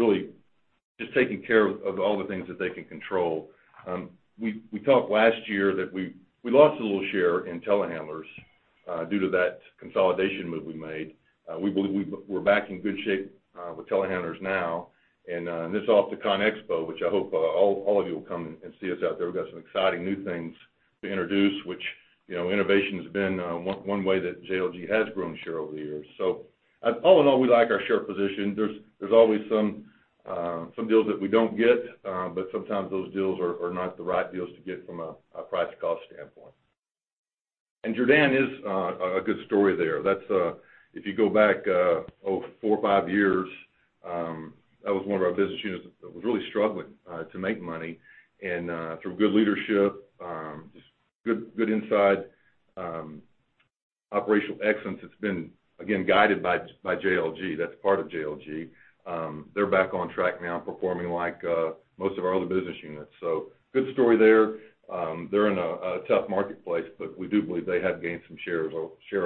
just taking care of all the things that they can control. We talked last year that we lost a little share in telehandlers due to that consolidation move we made. We believe we're back in good shape with telehandlers now. And this ConExpo, which I hope all of you will come and see us out there. We've got some exciting new things to introduce, which, you know, innovation has been one way that JLG has grown share over the years. So all in all, we like our share position. There's always some deals that we don't get, but sometimes those deals are not the right deals to get from a price to cost standpoint. And Jerr-Dan is a good story there. That's if you go back, oh, four or five years, that was one of our business units that was really struggling to make money. Through good leadership, just good, good insight, operational excellence, it's been, again, guided by JLG. That's part of JLG. They're back on track now, performing like most of our other business units. Good story there. They're in a tough marketplace, but we do believe they have gained some share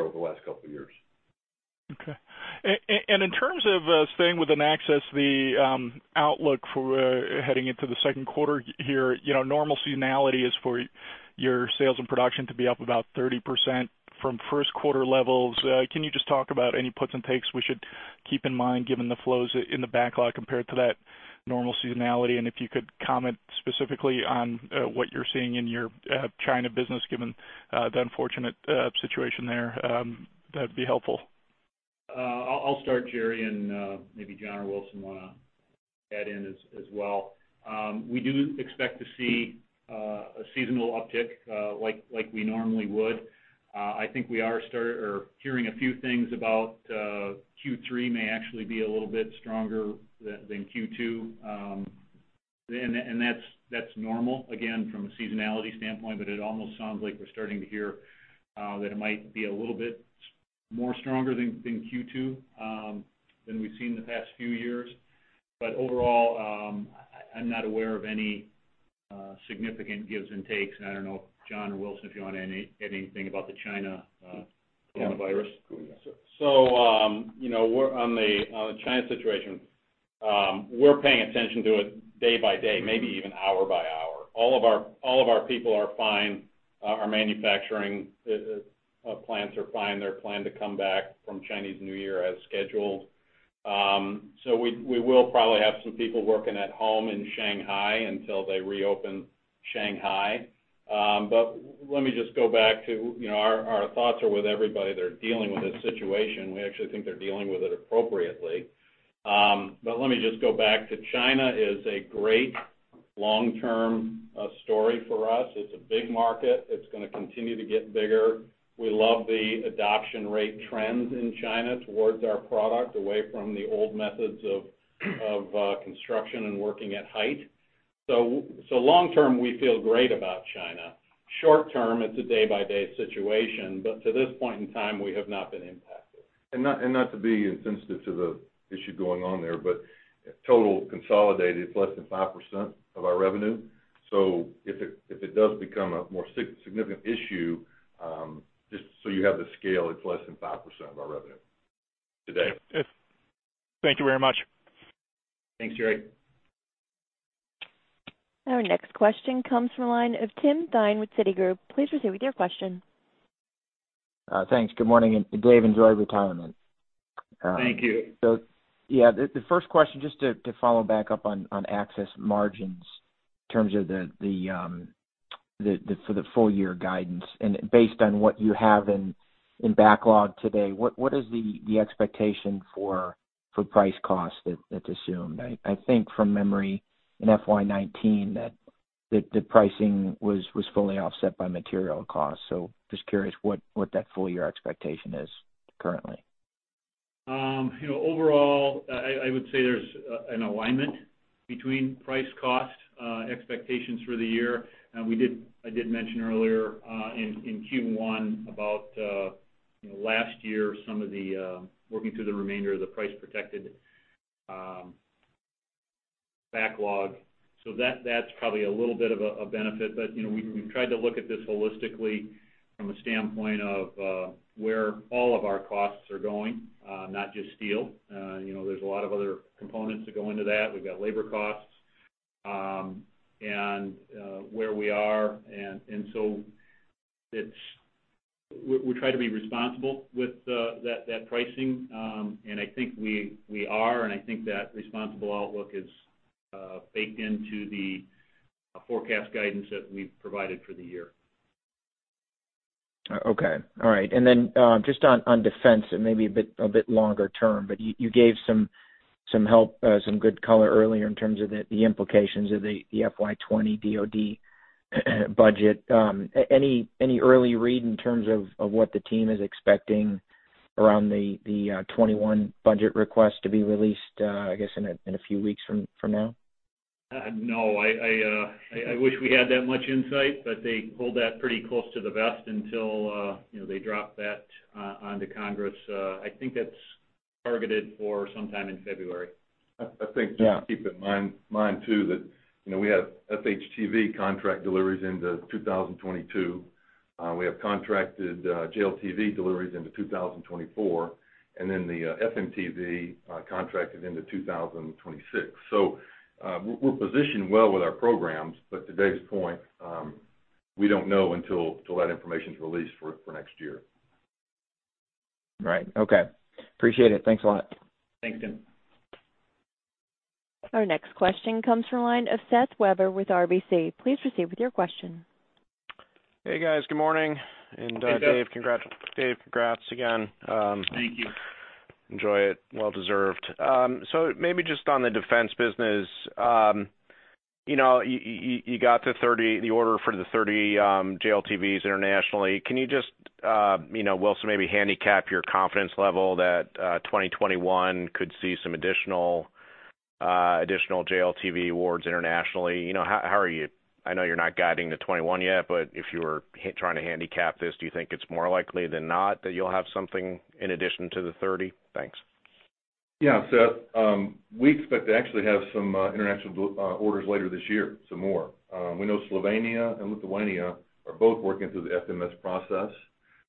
over the last couple of years. Okay. And in terms of staying with Access, the outlook for heading into the second quarter here, you know, normal seasonality is for your sales and production to be up about 30% from first quarter levels. Can you just talk about any puts and takes we should keep in mind, given the flows in the backlog compared to that normal seasonality? And if you could comment specifically on what you're seeing in your China business, given the unfortunate situation there, that'd be helpful. I'll start, Jerry, and maybe John or Wilson wanna add in as well. We do expect to see a seasonal uptick, like we normally would. I think we are starting to hear a few things about Q3 may actually be a little bit stronger than Q2. And that's normal, again, from a seasonality standpoint, but it almost sounds like we're starting to hear that it might be a little bit more stronger than Q2 than we've seen in the past few years. But overall, I'm not aware of any significant gives and takes. And I don't know if John or Wilson if you want to add anything about the China coronavirus. Yeah. So, you know, we're on the China situation. We're paying attention to it day by day, maybe even hour by hour. All of our people are fine. Our manufacturing plants are fine. They're planned to come back from Chinese New Year as scheduled. So we will probably have some people working at home in Shanghai until they reopen Shanghai. But let me just go back to, you know, our thoughts are with everybody. They're dealing with this situation. We actually think they're dealing with it appropriately. But let me just go back to China is a great long-term story for us. It's a big market. It's gonna continue to get bigger. We love the adoption rate trends in China towards our product, away from the old methods of construction and working at height. So, long term, we feel great about China. Short term, it's a day-by-day situation, but to this point in time, we have not been impacted. Not to be insensitive to the issue going on there, but total consolidated, it's less than 5% of our revenue. So if it does become a more significant issue, just so you have the scale, it's less than 5% of our revenue today. Yes. Thank you very much. Thanks, Jerry. Our next question comes from the line of Tim Thein with Citigroup. Please proceed with your question. Thanks. Good morning, and Dave, enjoy retirement. Thank you. So yeah, the first question, just to follow back up on access margins in terms of the full year guidance. And based on what you have in backlog today, what is the expectation for price cost that's assumed? I think from memory in FY 2019, that the pricing was fully offset by material costs. So just curious what that full year expectation is currently. You know, overall, I would say there's an alignment between price cost expectations for the year. And I did mention earlier in Q1 about, you know, last year, some of the working through the remainder of the price-protected backlog. So that's probably a little bit of a benefit. But you know, we've tried to look at this holistically from a standpoint of where all of our costs are going, not just steel. You know, there's a lot of other components that go into that. We've got labor costs and where we are. And so we try to be responsible with that pricing. I think we are, and I think that responsible outlook is baked into the forecast guidance that we've provided for the year. Okay. All right. And then, just on, on defense and maybe a bit, a bit longer term, but you, you gave some, some help, some good color earlier in terms of the, the implications of the, the FY20 DoD budget. Any, any early read in terms of, of what the team is expecting around the, the, '21 budget request to be released, I guess, in a, in a few weeks from, from now? No, I wish we had that much insight, but they hold that pretty close to the vest until, you know, they drop that on to Congress. I think that's targeted for sometime in February. I think- Yeah... just keep in mind too, that, you know, we have FHTV contract deliveries into 2022. We have contracted JLTV deliveries into 2024, and then the FMTV contracted into 2026. So, we're positioned well with our programs, but today's point, we don't know until that information's released for next year. Right. Okay. Appreciate it. Thanks a lot. Thanks, Tim. Our next question comes from the line of Seth Weber with RBC. Please proceed with your question. Hey, guys. Good morning. Hey, Seth. Dave, congrats again. Thank you. Enjoy it. Well deserved. So maybe just on the defense business, you know, you got the 30, the order for the 30, JLTVs internationally. Can you just, you know, Wilson, maybe handicap your confidence level that, 2021 could see some additional, additional JLTV awards internationally? You know, how, how are you? I know you're not guiding to 2021 yet, but if you were trying to handicap this, do you think it's more likely than not that you'll have something in addition to the 30? Thanks. Yeah, Seth. We expect to actually have some international orders later this year, some more. We know Slovenia and Lithuania are both working through the FMS process.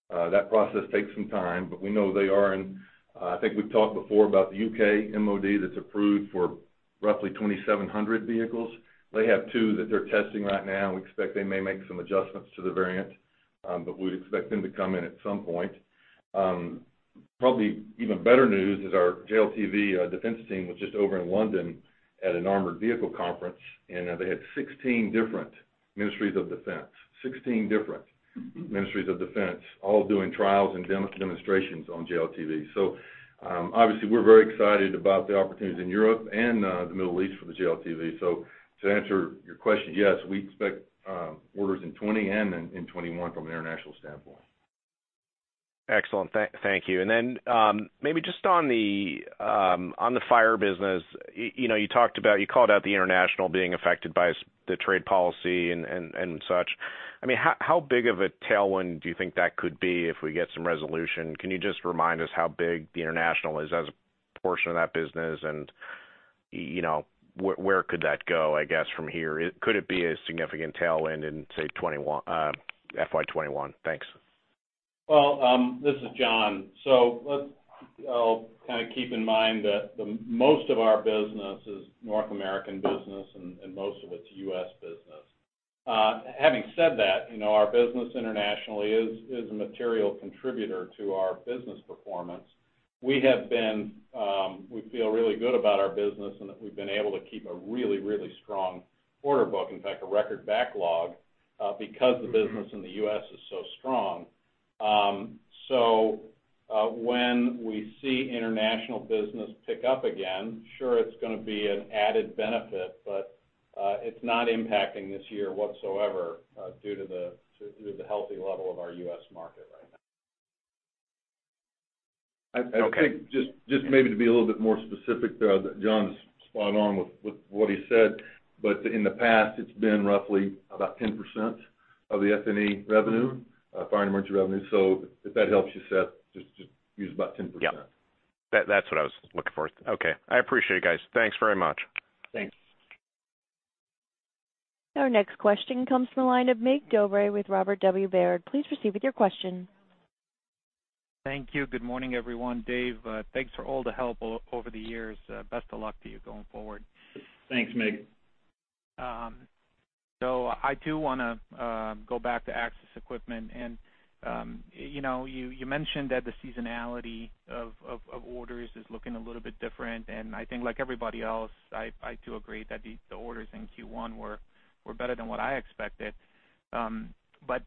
That process takes some time, but we know they are, and I think we've talked before about the UK, MOD, that's approved for roughly 2,700 vehicles. They have two that they're testing right now. We expect they may make some adjustments to the variant, but we'd expect them to come in at some point. Probably even better news is our JLTV defense team was just over in London at an armored vehicle conference, and they had 16 different Ministries of Defense, 16 different Ministries of Defense, all doing trials and demonstrations on JLTV. So, obviously, we're very excited about the opportunities in Europe and the Middle East for the JLTV. So to answer your question, yes, we expect orders in 2020 and in 2021 from an international standpoint. Excellent. Thank you. And then, maybe just on the fire business, you know, you talked about, you called out the international being affected by the trade policy and such. I mean, how big of a tailwind do you think that could be if we get some resolution? Can you just remind us how big the international is as a portion of that business? And, you know, where could that go, I guess, from here? Could it be a significant tailwind in, say, FY 2021? Thanks. Well, this is John. So let's kind of keep in mind that the most of our business is North American business, and, and most of it's U.S. business. Having said that, you know, our business internationally is, is a material contributor to our business performance. We have been... We feel really good about our business and that we've been able to keep a really, really strong order book, in fact, a record backlog, because the business in the U.S. is so strong. So, when we see international business pick up again, sure, it's gonna be an added benefit, but, it's not impacting this year whatsoever, due to the, to, to the healthy level of our U.S. market right now. Okay. I think just maybe to be a little bit more specific, that John's spot on with what he said, but in the past, it's been roughly about 10% of the F&E revenue, fire and emergency revenue. So if that helps you, Seth, just use about 10%. Yeah. That, that's what I was looking for. Okay. I appreciate it, guys. Thanks very much. Thanks. Our next question comes from the line of Mig Dobre with Robert W. Baird. Please proceed with your question. Thank you. Good morning, everyone. Dave, thanks for all the help over the years. Best of luck to you going forward. Thanks, Mig. So I do wanna go back to Access Equipment, and you mentioned that the seasonality of orders is looking a little bit different, and I think, like everybody else, I do agree that the orders in Q1 were better than what I expected. But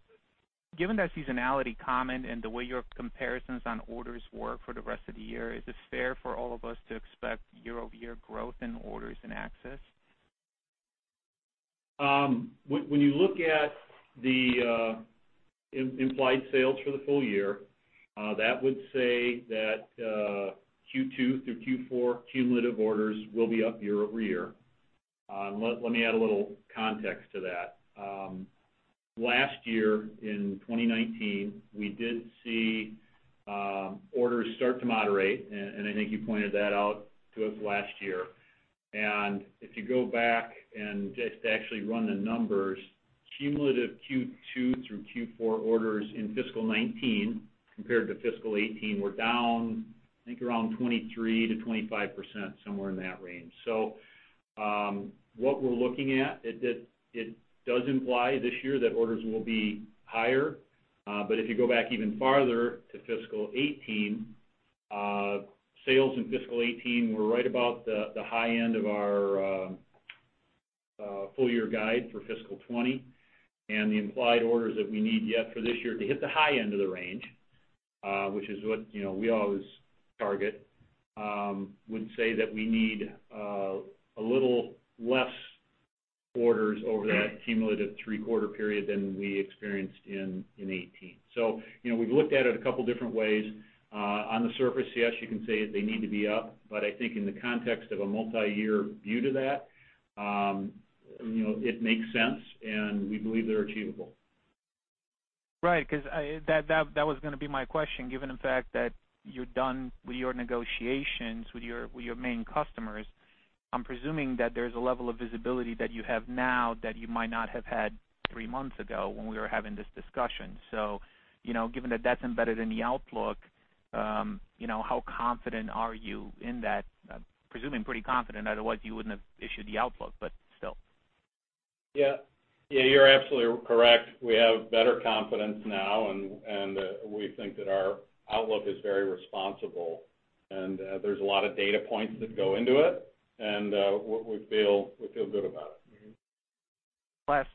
given that seasonality comment and the way your comparisons on orders work for the rest of the year, is it fair for all of us to expect year-over-year growth in orders in Access? When you look at the implied sales for the full year, that would say that Q2 through Q4, cumulative orders will be up year-over-year. And let me add a little context to that. Last year, in 2019, we did see orders start to moderate, and I think you pointed that out to us last year. And if you go back and just actually run the numbers, cumulative Q2 through Q4 orders in fiscal 2019 compared to fiscal 2018 were down, I think, around 23%-25%, somewhere in that range. So, what we're looking at does imply this year that orders will be higher. But if you go back even farther to fiscal 2018, sales in fiscal 2018 were right about the high end of our full year guide for fiscal 2020. And the implied orders that we need yet for this year to hit the high end of the range, which is what, you know, we always target, would say that we need a little less orders over that cumulative three-quarter period than we experienced in 2018. So, you know, we've looked at it a couple different ways. On the surface, yes, you can say that they need to be up, but I think in the context of a multi-year view to that, you know, it makes sense, and we believe they're achievable. Right. Because that was gonna be my question, given the fact that you're done with your negotiations with your main customers.... I'm presuming that there's a level of visibility that you have now that you might not have had three months ago when we were having this discussion. So, you know, given that that's embedded in the outlook, you know, how confident are you in that? I'm presuming pretty confident. Otherwise, you wouldn't have issued the outlook, but still. Yeah. Yeah, you're absolutely correct. We have better confidence now, and we think that our outlook is very responsible, and there's a lot of data points that go into it, and we feel, we feel good about it.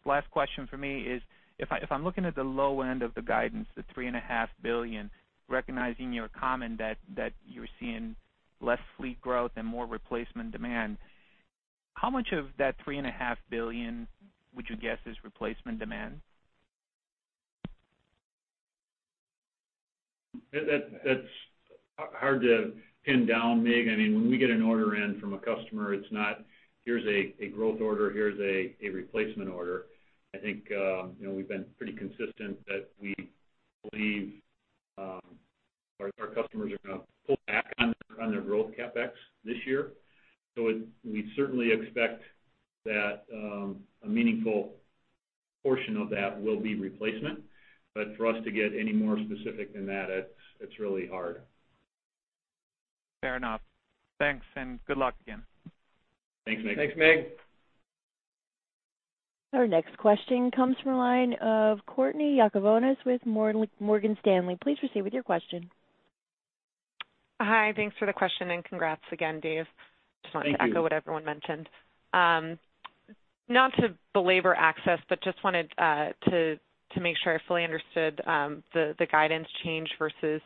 Last question for me is, if I'm looking at the low end of the guidance, the $3.5 billion, recognizing your comment that you're seeing less fleet growth and more replacement demand, how much of that $3.5 billion would you guess is replacement demand? That, that's hard to pin down, Mig. I mean, when we get an order in from a customer, it's not, here's a growth order, here's a replacement order. I think, you know, we've been pretty consistent that we believe our customers are gonna pull back on their growth CapEx this year. So we certainly expect that a meaningful portion of that will be replacement. But for us to get any more specific than that, it's really hard. Fair enough. Thanks, and good luck again. Thanks, Mig. Thanks, Mig. Our next question comes from the line of Courtney Yakavonis with Morgan Stanley. Please proceed with your question. Hi, thanks for the question, and congrats again, Dave. Thank you. Just want to echo what everyone mentioned. Not to belabor access, but just wanted to make sure I fully understood the guidance change versus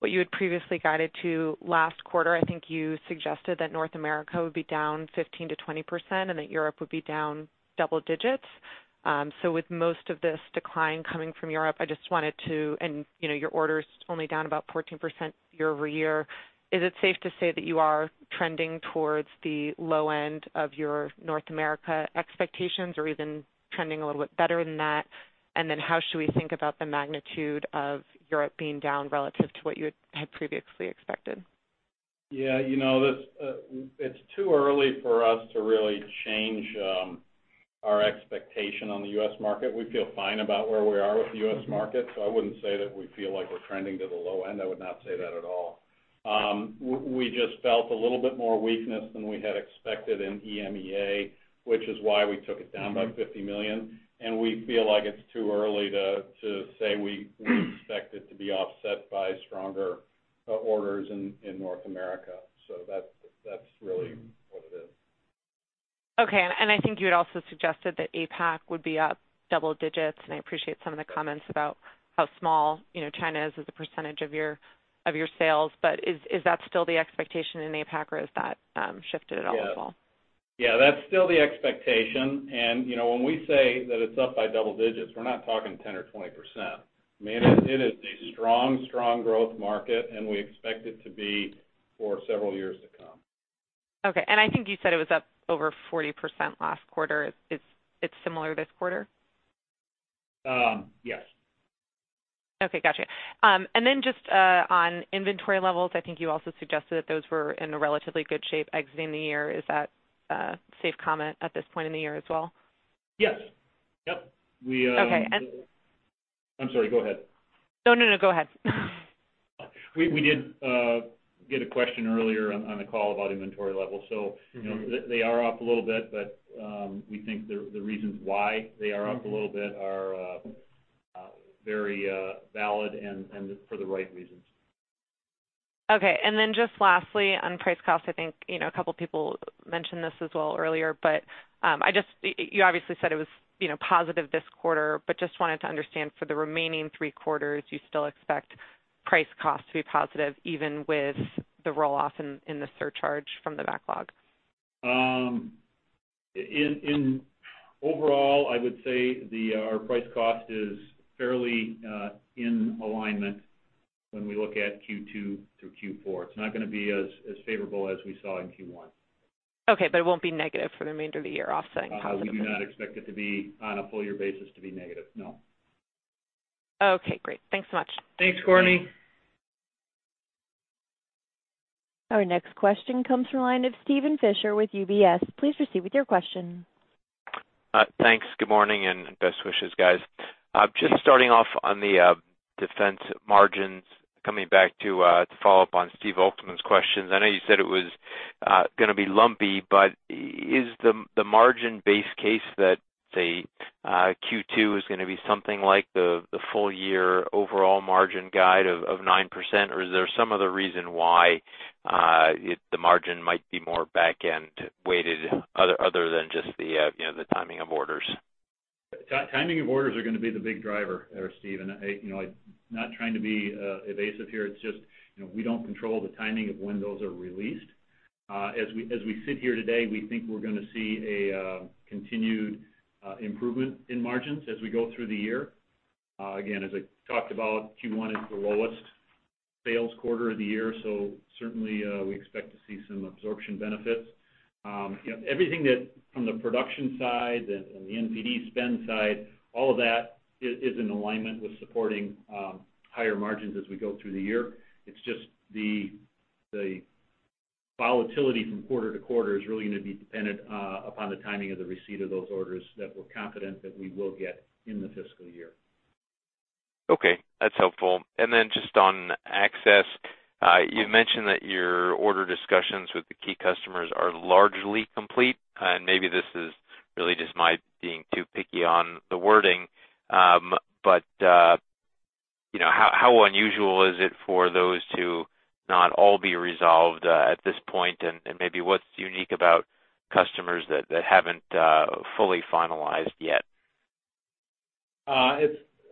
what you had previously guided to last quarter. I think you suggested that North America would be down 15%-20% and that Europe would be down double digits. So with most of this decline coming from Europe, I just wanted to... And, you know, your order is only down about 14% year-over-year. Is it safe to say that you are trending towards the low end of your North America expectations or even trending a little bit better than that? And then how should we think about the magnitude of Europe being down relative to what you had previously expected? Yeah, you know, this it's too early for us to really change our expectation on the US market. We feel fine about where we are with the US market, so I wouldn't say that we feel like we're trending to the low end. I would not say that at all. We just felt a little bit more weakness than we had expected in EMEA, which is why we took it down by $50 million, and we feel like it's too early to say we expect it to be offset by stronger orders in North America. So that's really what it is. Okay. And I think you had also suggested that APAC would be up double digits, and I appreciate some of the comments about how small, you know, China is as a percentage of your sales. But is that still the expectation in APAC, or has that shifted at all as well? Yeah, yeah, that's still the expectation. You know, when we say that it's up by double digits, we're not talking 10% or 20%. I mean, it is a strong, strong growth market, and we expect it to be for several years to come. Okay. And I think you said it was up over 40% last quarter. It's, it's similar this quarter? Um, yes. Okay, gotcha. And then just, on inventory levels, I think you also suggested that those were in a relatively good shape exiting the year. Is that a safe comment at this point in the year as well? Yes. Yep, we. Okay, and- I'm sorry, go ahead. No, no, no, go ahead. We did get a question earlier on the call about inventory levels. Mm-hmm. So, you know, they are up a little bit, but we think the reasons why they are up a little bit- Mm-hmm... are very valid and for the right reasons. Okay. And then just lastly, on price cost, I think, you know, a couple of people mentioned this as well earlier, but I just, you obviously said it was, you know, positive this quarter, but just wanted to understand for the remaining three quarters, you still expect price cost to be positive, even with the roll-off in the surcharge from the backlog? In overall, I would say our price cost is fairly in alignment when we look at Q2 through Q4. It's not gonna be as favorable as we saw in Q1. Okay, but it won't be negative for the remainder of the year, offsetting positive? I do not expect it to be, on a full year basis, to be negative. No. Okay, great. Thanks so much. Thanks, Courtney. Our next question comes from the line of Steven Fisher with UBS. Please proceed with your question. Thanks. Good morning and best wishes, guys. Just starting off on the defense margins, coming back to follow up on Stephen Volkmann questions. I know you said it was gonna be lumpy, but is the margin base case that, say, Q2 is gonna be something like the full year overall margin guide of 9%, or is there some other reason why the margin might be more back-end weighted, other than just the, you know, the timing of orders? Timing of orders are gonna be the big driver there, Steve, and I, you know, I'm not trying to be evasive here. It's just, you know, we don't control the timing of when those are released. As we sit here today, we think we're gonna see a continued improvement in margins as we go through the year. Again, as I talked about, Q1 is the lowest sales quarter of the year, so certainly we expect to see some absorption benefits. You know, everything from the production side and the NPD spend side, all of that is in alignment with supporting higher margins as we go through the year. It's just the... Volatility from quarter to quarter is really going to be dependent upon the timing of the receipt of those orders that we're confident that we will get in the fiscal year. Okay, that's helpful. And then just on access, you've mentioned that your order discussions with the key customers are largely complete. And maybe this is really just my being too picky on the wording, but you know, how unusual is it for those to not all be resolved at this point? And maybe what's unique about customers that haven't fully finalized yet?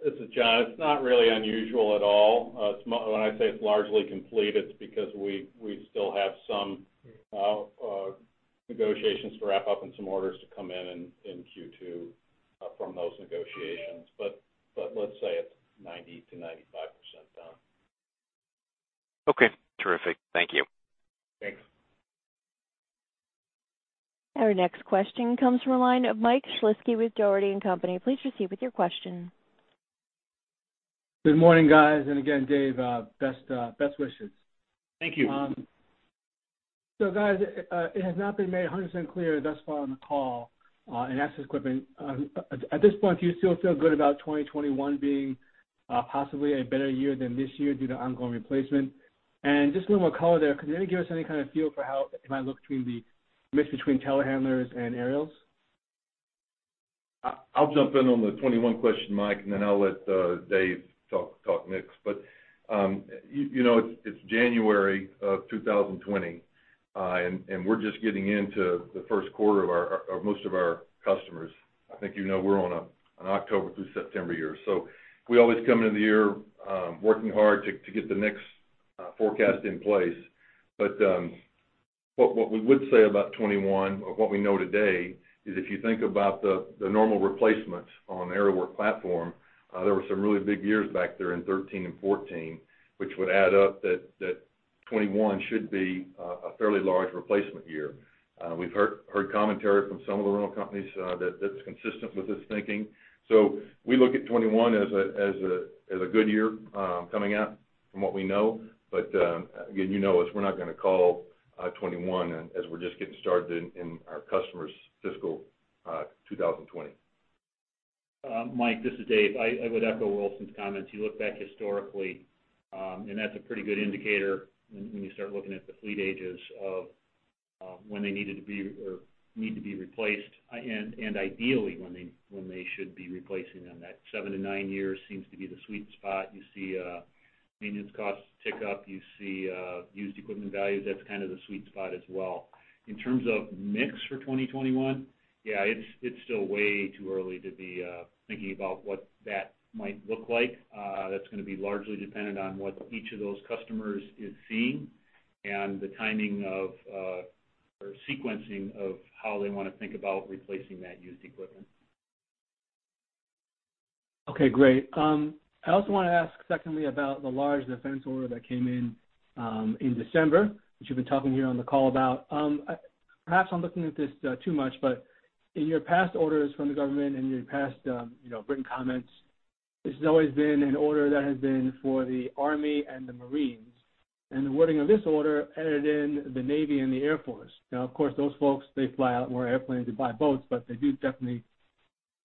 This is John. It's not really unusual at all. When I say it's largely complete, it's because we still have some negotiations to wrap up and some orders to come in Q2 from those negotiations. But let's say it's 90%-95% done. Okay. Terrific. Thank you. Thanks. Our next question comes from a line of Mike Shlisky with Dougherty & Company. Please proceed with your question. Good morning, guys. And again, Dave, best wishes. Thank you. So guys, it has not been made 100% clear thus far on the call, in access equipment. At this point, do you still feel good about 2021 being possibly a better year than this year due to ongoing replacement? And just a little more color there, could you maybe give us any kind of feel for how it might look between the mix between telehandlers and aerials? I'll jump in on the 2021 question, Mike, and then I'll let Dave talk to Mike. But you know, it's January of 2020, and we're just getting into the first quarter of our- of most of our customers. I think you know, we're on an October through September year. So we always come into the year, working hard to get the next forecast in place. But what we would say about 2021, of what we know today, is if you think about the normal replacements on aerial work platform, there were some really big years back there in 13 and 14, which would add up that 2021 should be a fairly large replacement year. We've heard commentary from some of the rental companies that that's consistent with this thinking. So we look at 2021 as a good year coming out from what we know. But again, you know us, we're not going to call 2021 as we're just getting started in our customers' fiscal 2020. Mike, this is Dave. I would echo Wilson's comments. You look back historically, and that's a pretty good indicator when you start looking at the fleet ages of when they needed to be or need to be replaced, and ideally, when they should be replacing them. That 7-9 years seems to be the sweet spot. You see, maintenance costs tick up. You see used equipment values. That's kind of the sweet spot as well. In terms of mix for 2021, yeah, it's still way too early to be thinking about what that might look like. That's going to be largely dependent on what each of those customers is seeing and the timing of or sequencing of how they want to think about replacing that used equipment. Okay, great. I also want to ask secondly, about the large defense order that came in, in December, which you've been talking here on the call about. Perhaps I'm looking at this, too much, but in your past orders from the government and in your past, you know, written comments, this has always been an order that has been for the Army and the Marines, and the wording of this order entered in the Navy and the Air Force. Now, of course, those folks, they fly out more airplanes and buy boats, but they do definitely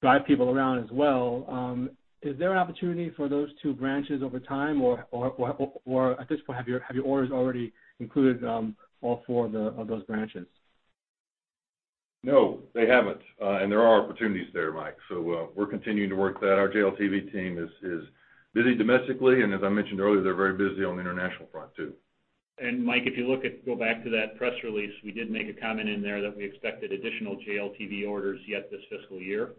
drive people around as well. Is there an opportunity for those two branches over time, or at this point, have your orders already included, all four of those branches? No, they haven't. There are opportunities there, Mike. We're continuing to work that. Our JLTV team is busy domestically, and as I mentioned earlier, they're very busy on the international front, too. And Mike, if you go back to that press release, we did make a comment in there that we expected additional JLTV orders yet this fiscal year.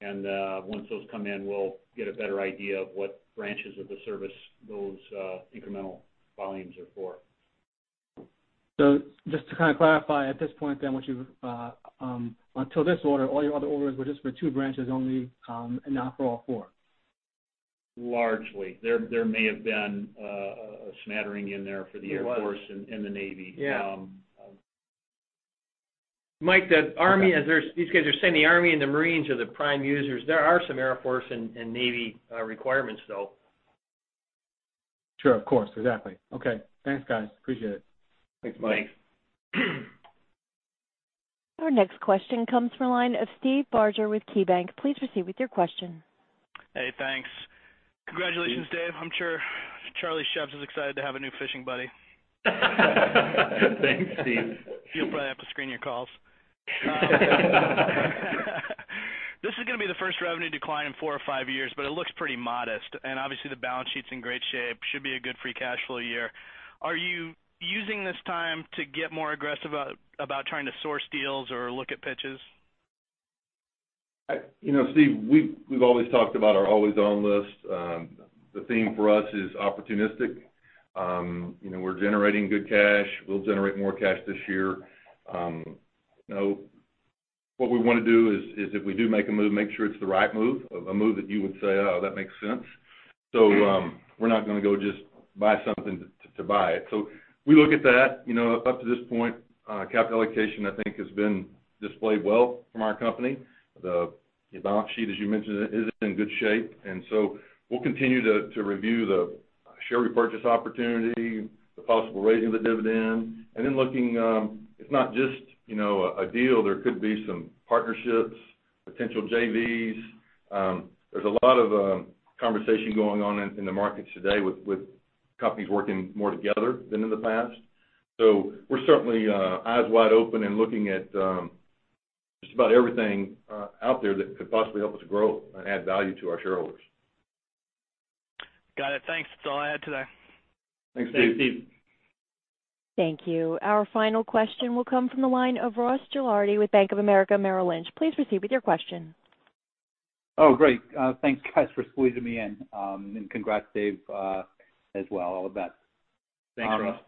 And, once those come in, we'll get a better idea of what branches of the service those incremental volumes are for. Just to kind of clarify, at this point then, what you've until this order, all your other orders were just for two branches only, and not for all four? Largely. There, there may have been a smattering in there for the Air Force- There was and the Navy. Yeah. Mike, the Army, as these guys are saying the Army and the Marines are the prime users. There are some Air Force and Navy requirements, though. Sure, of course. Exactly. Okay. Thanks, guys. Appreciate it. Thanks, Mike. Thanks. Our next question comes from a line of Steve Barger with KeyBanc. Please proceed with your question. Hey, thanks. Congratulations, Dave. I'm sure Charlie Szews is excited to have a new fishing buddy. Thanks, Steve. You'll probably have to screen your calls. This is going to be the first revenue decline in four or five years, but it looks pretty modest, and obviously, the balance sheet's in great shape. Should be a good free cash flow year. Are you using this time to get more aggressive about trying to source deals or look at pitches? You know, Steve, we've always talked about our always on list. The theme for us is opportunistic. You know, we're generating good cash. We'll generate more cash this year. Now, what we want to do is if we do make a move, make sure it's the right move, of a move that you would say, "Oh, that makes sense." So, we're not going to go just buy something to buy it. So we look at that, you know, up to this point, capital allocation, I think, has been displayed well from our company. The balance sheet, as you mentioned, is in good shape, and so we'll continue to review the share repurchase opportunity, the possible raising of the dividend, and then looking, it's not just, you know, a deal. There could be some partnerships, potential JVs. There's a lot of conversation going on in the markets today with companies working more together than in the past. So we're certainly eyes wide open and looking at just about everything out there that could possibly help us grow and add value to our shareholders. Got it. Thanks. That's all I had today. Thanks, Steve. Thanks, Steve. Thank you. Our final question will come from the line of Ross Gilardi with Bank of America, Merrill Lynch. Please proceed with your question. Oh, great. Thanks, guys, for squeezing me in. Congrats, Dave, as well, all the best. Thanks, Ross.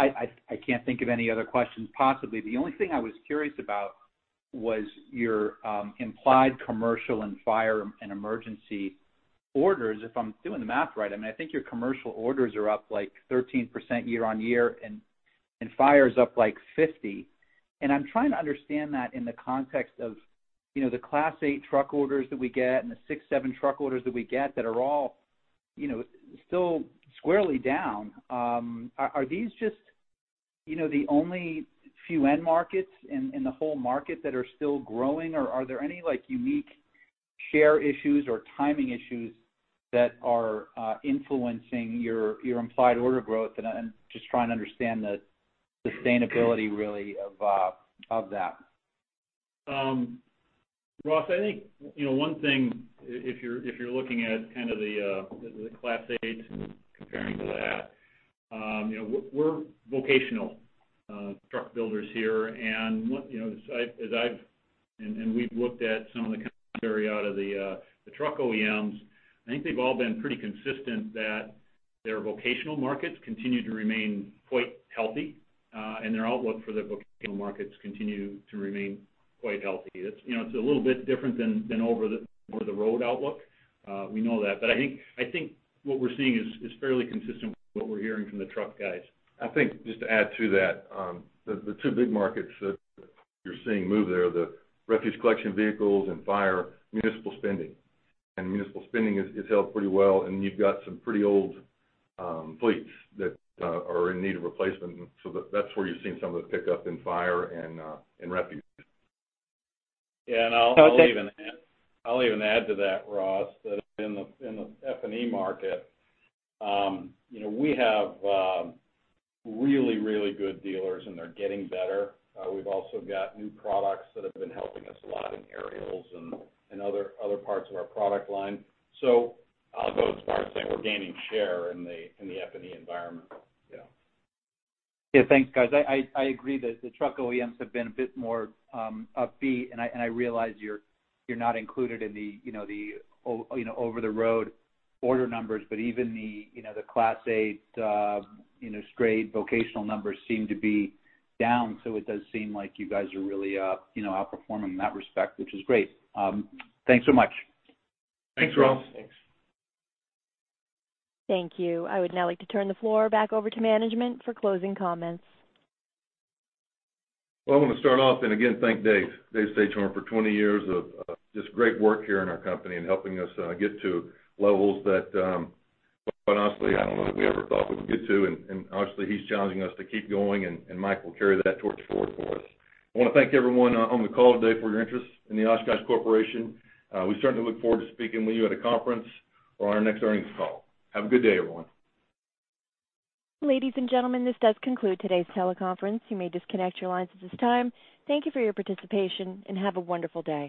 I can't think of any other questions, possibly. The only thing I was curious about was your implied commercial and fire and emergency orders, if I'm doing the math right, I mean, I think your commercial orders are up, like, 13% year-on-year, and fire is up, like, 50%. And I'm trying to understand that in the context of, you know, the Class eight truck orders that we get and the Class six, seven truck orders that we get that are all, you know, still squarely down. Are these just, you know, the only few end markets in the whole market that are still growing, or are there any, like, unique share issues or timing issues that are influencing your implied order growth? And I'm just trying to understand the sustainability really of that. Ross, I think, you know, one thing if you're, if you're looking at kind of the, the Class 8, comparing to that, you know, we're, we're vocational, truck builders here. And what—you know, as I've—and, and we've looked at some of the commentary out of the, the truck OEMs, I think they've all been pretty consistent that their vocational markets continue to remain quite healthy, and their outlook for the vocational markets continue to remain quite healthy. It's, you know, it's a little bit different than, than over the, over the road outlook. We know that, but I think, I think what we're seeing is, is fairly consistent with what we're hearing from the truck guys. I think, just to add to that, the two big markets that you're seeing move there, the refuse collection vehicles and fire, municipal spending. Municipal spending is held pretty well, and you've got some pretty old fleets that are in need of replacement. So that's where you're seeing some of the pickup in fire and in refuse. Yeah, and I'll even add to that, Ross, that in the F&E market, you know, we have really, really good dealers, and they're getting better. We've also got new products that have been helping us a lot in aerials and other parts of our product line. So I'll go as far as saying we're gaining share in the F&E environment. Yeah. Yeah. Thanks, guys. I agree that the truck OEMs have been a bit more upbeat, and I realize you're not included in the, you know, over-the-road order numbers, but even the, you know, the Class A, you know, straight vocational numbers seem to be down. So it does seem like you guys are really, you know, outperforming in that respect, which is great. Thanks so much. Thanks, Ross. Thanks. Thank you. I would now like to turn the floor back over to management for closing comments. Well, I want to start off, and again, thank Dave. Dave stayed with us for 20 years of just great work here in our company and helping us get to levels that, quite honestly, I don't know that we ever thought we would get to. And obviously, he's challenging us to keep going, and Mike will carry that torch forward for us. I want to thank everyone on the call today for your interest in the Oshkosh Corporation. We certainly look forward to speaking with you at a conference or on our next earnings call. Have a good day, everyone. Ladies and gentlemen, this does conclude today's teleconference. You may disconnect your lines at this time. Thank you for your participation, and have a wonderful day.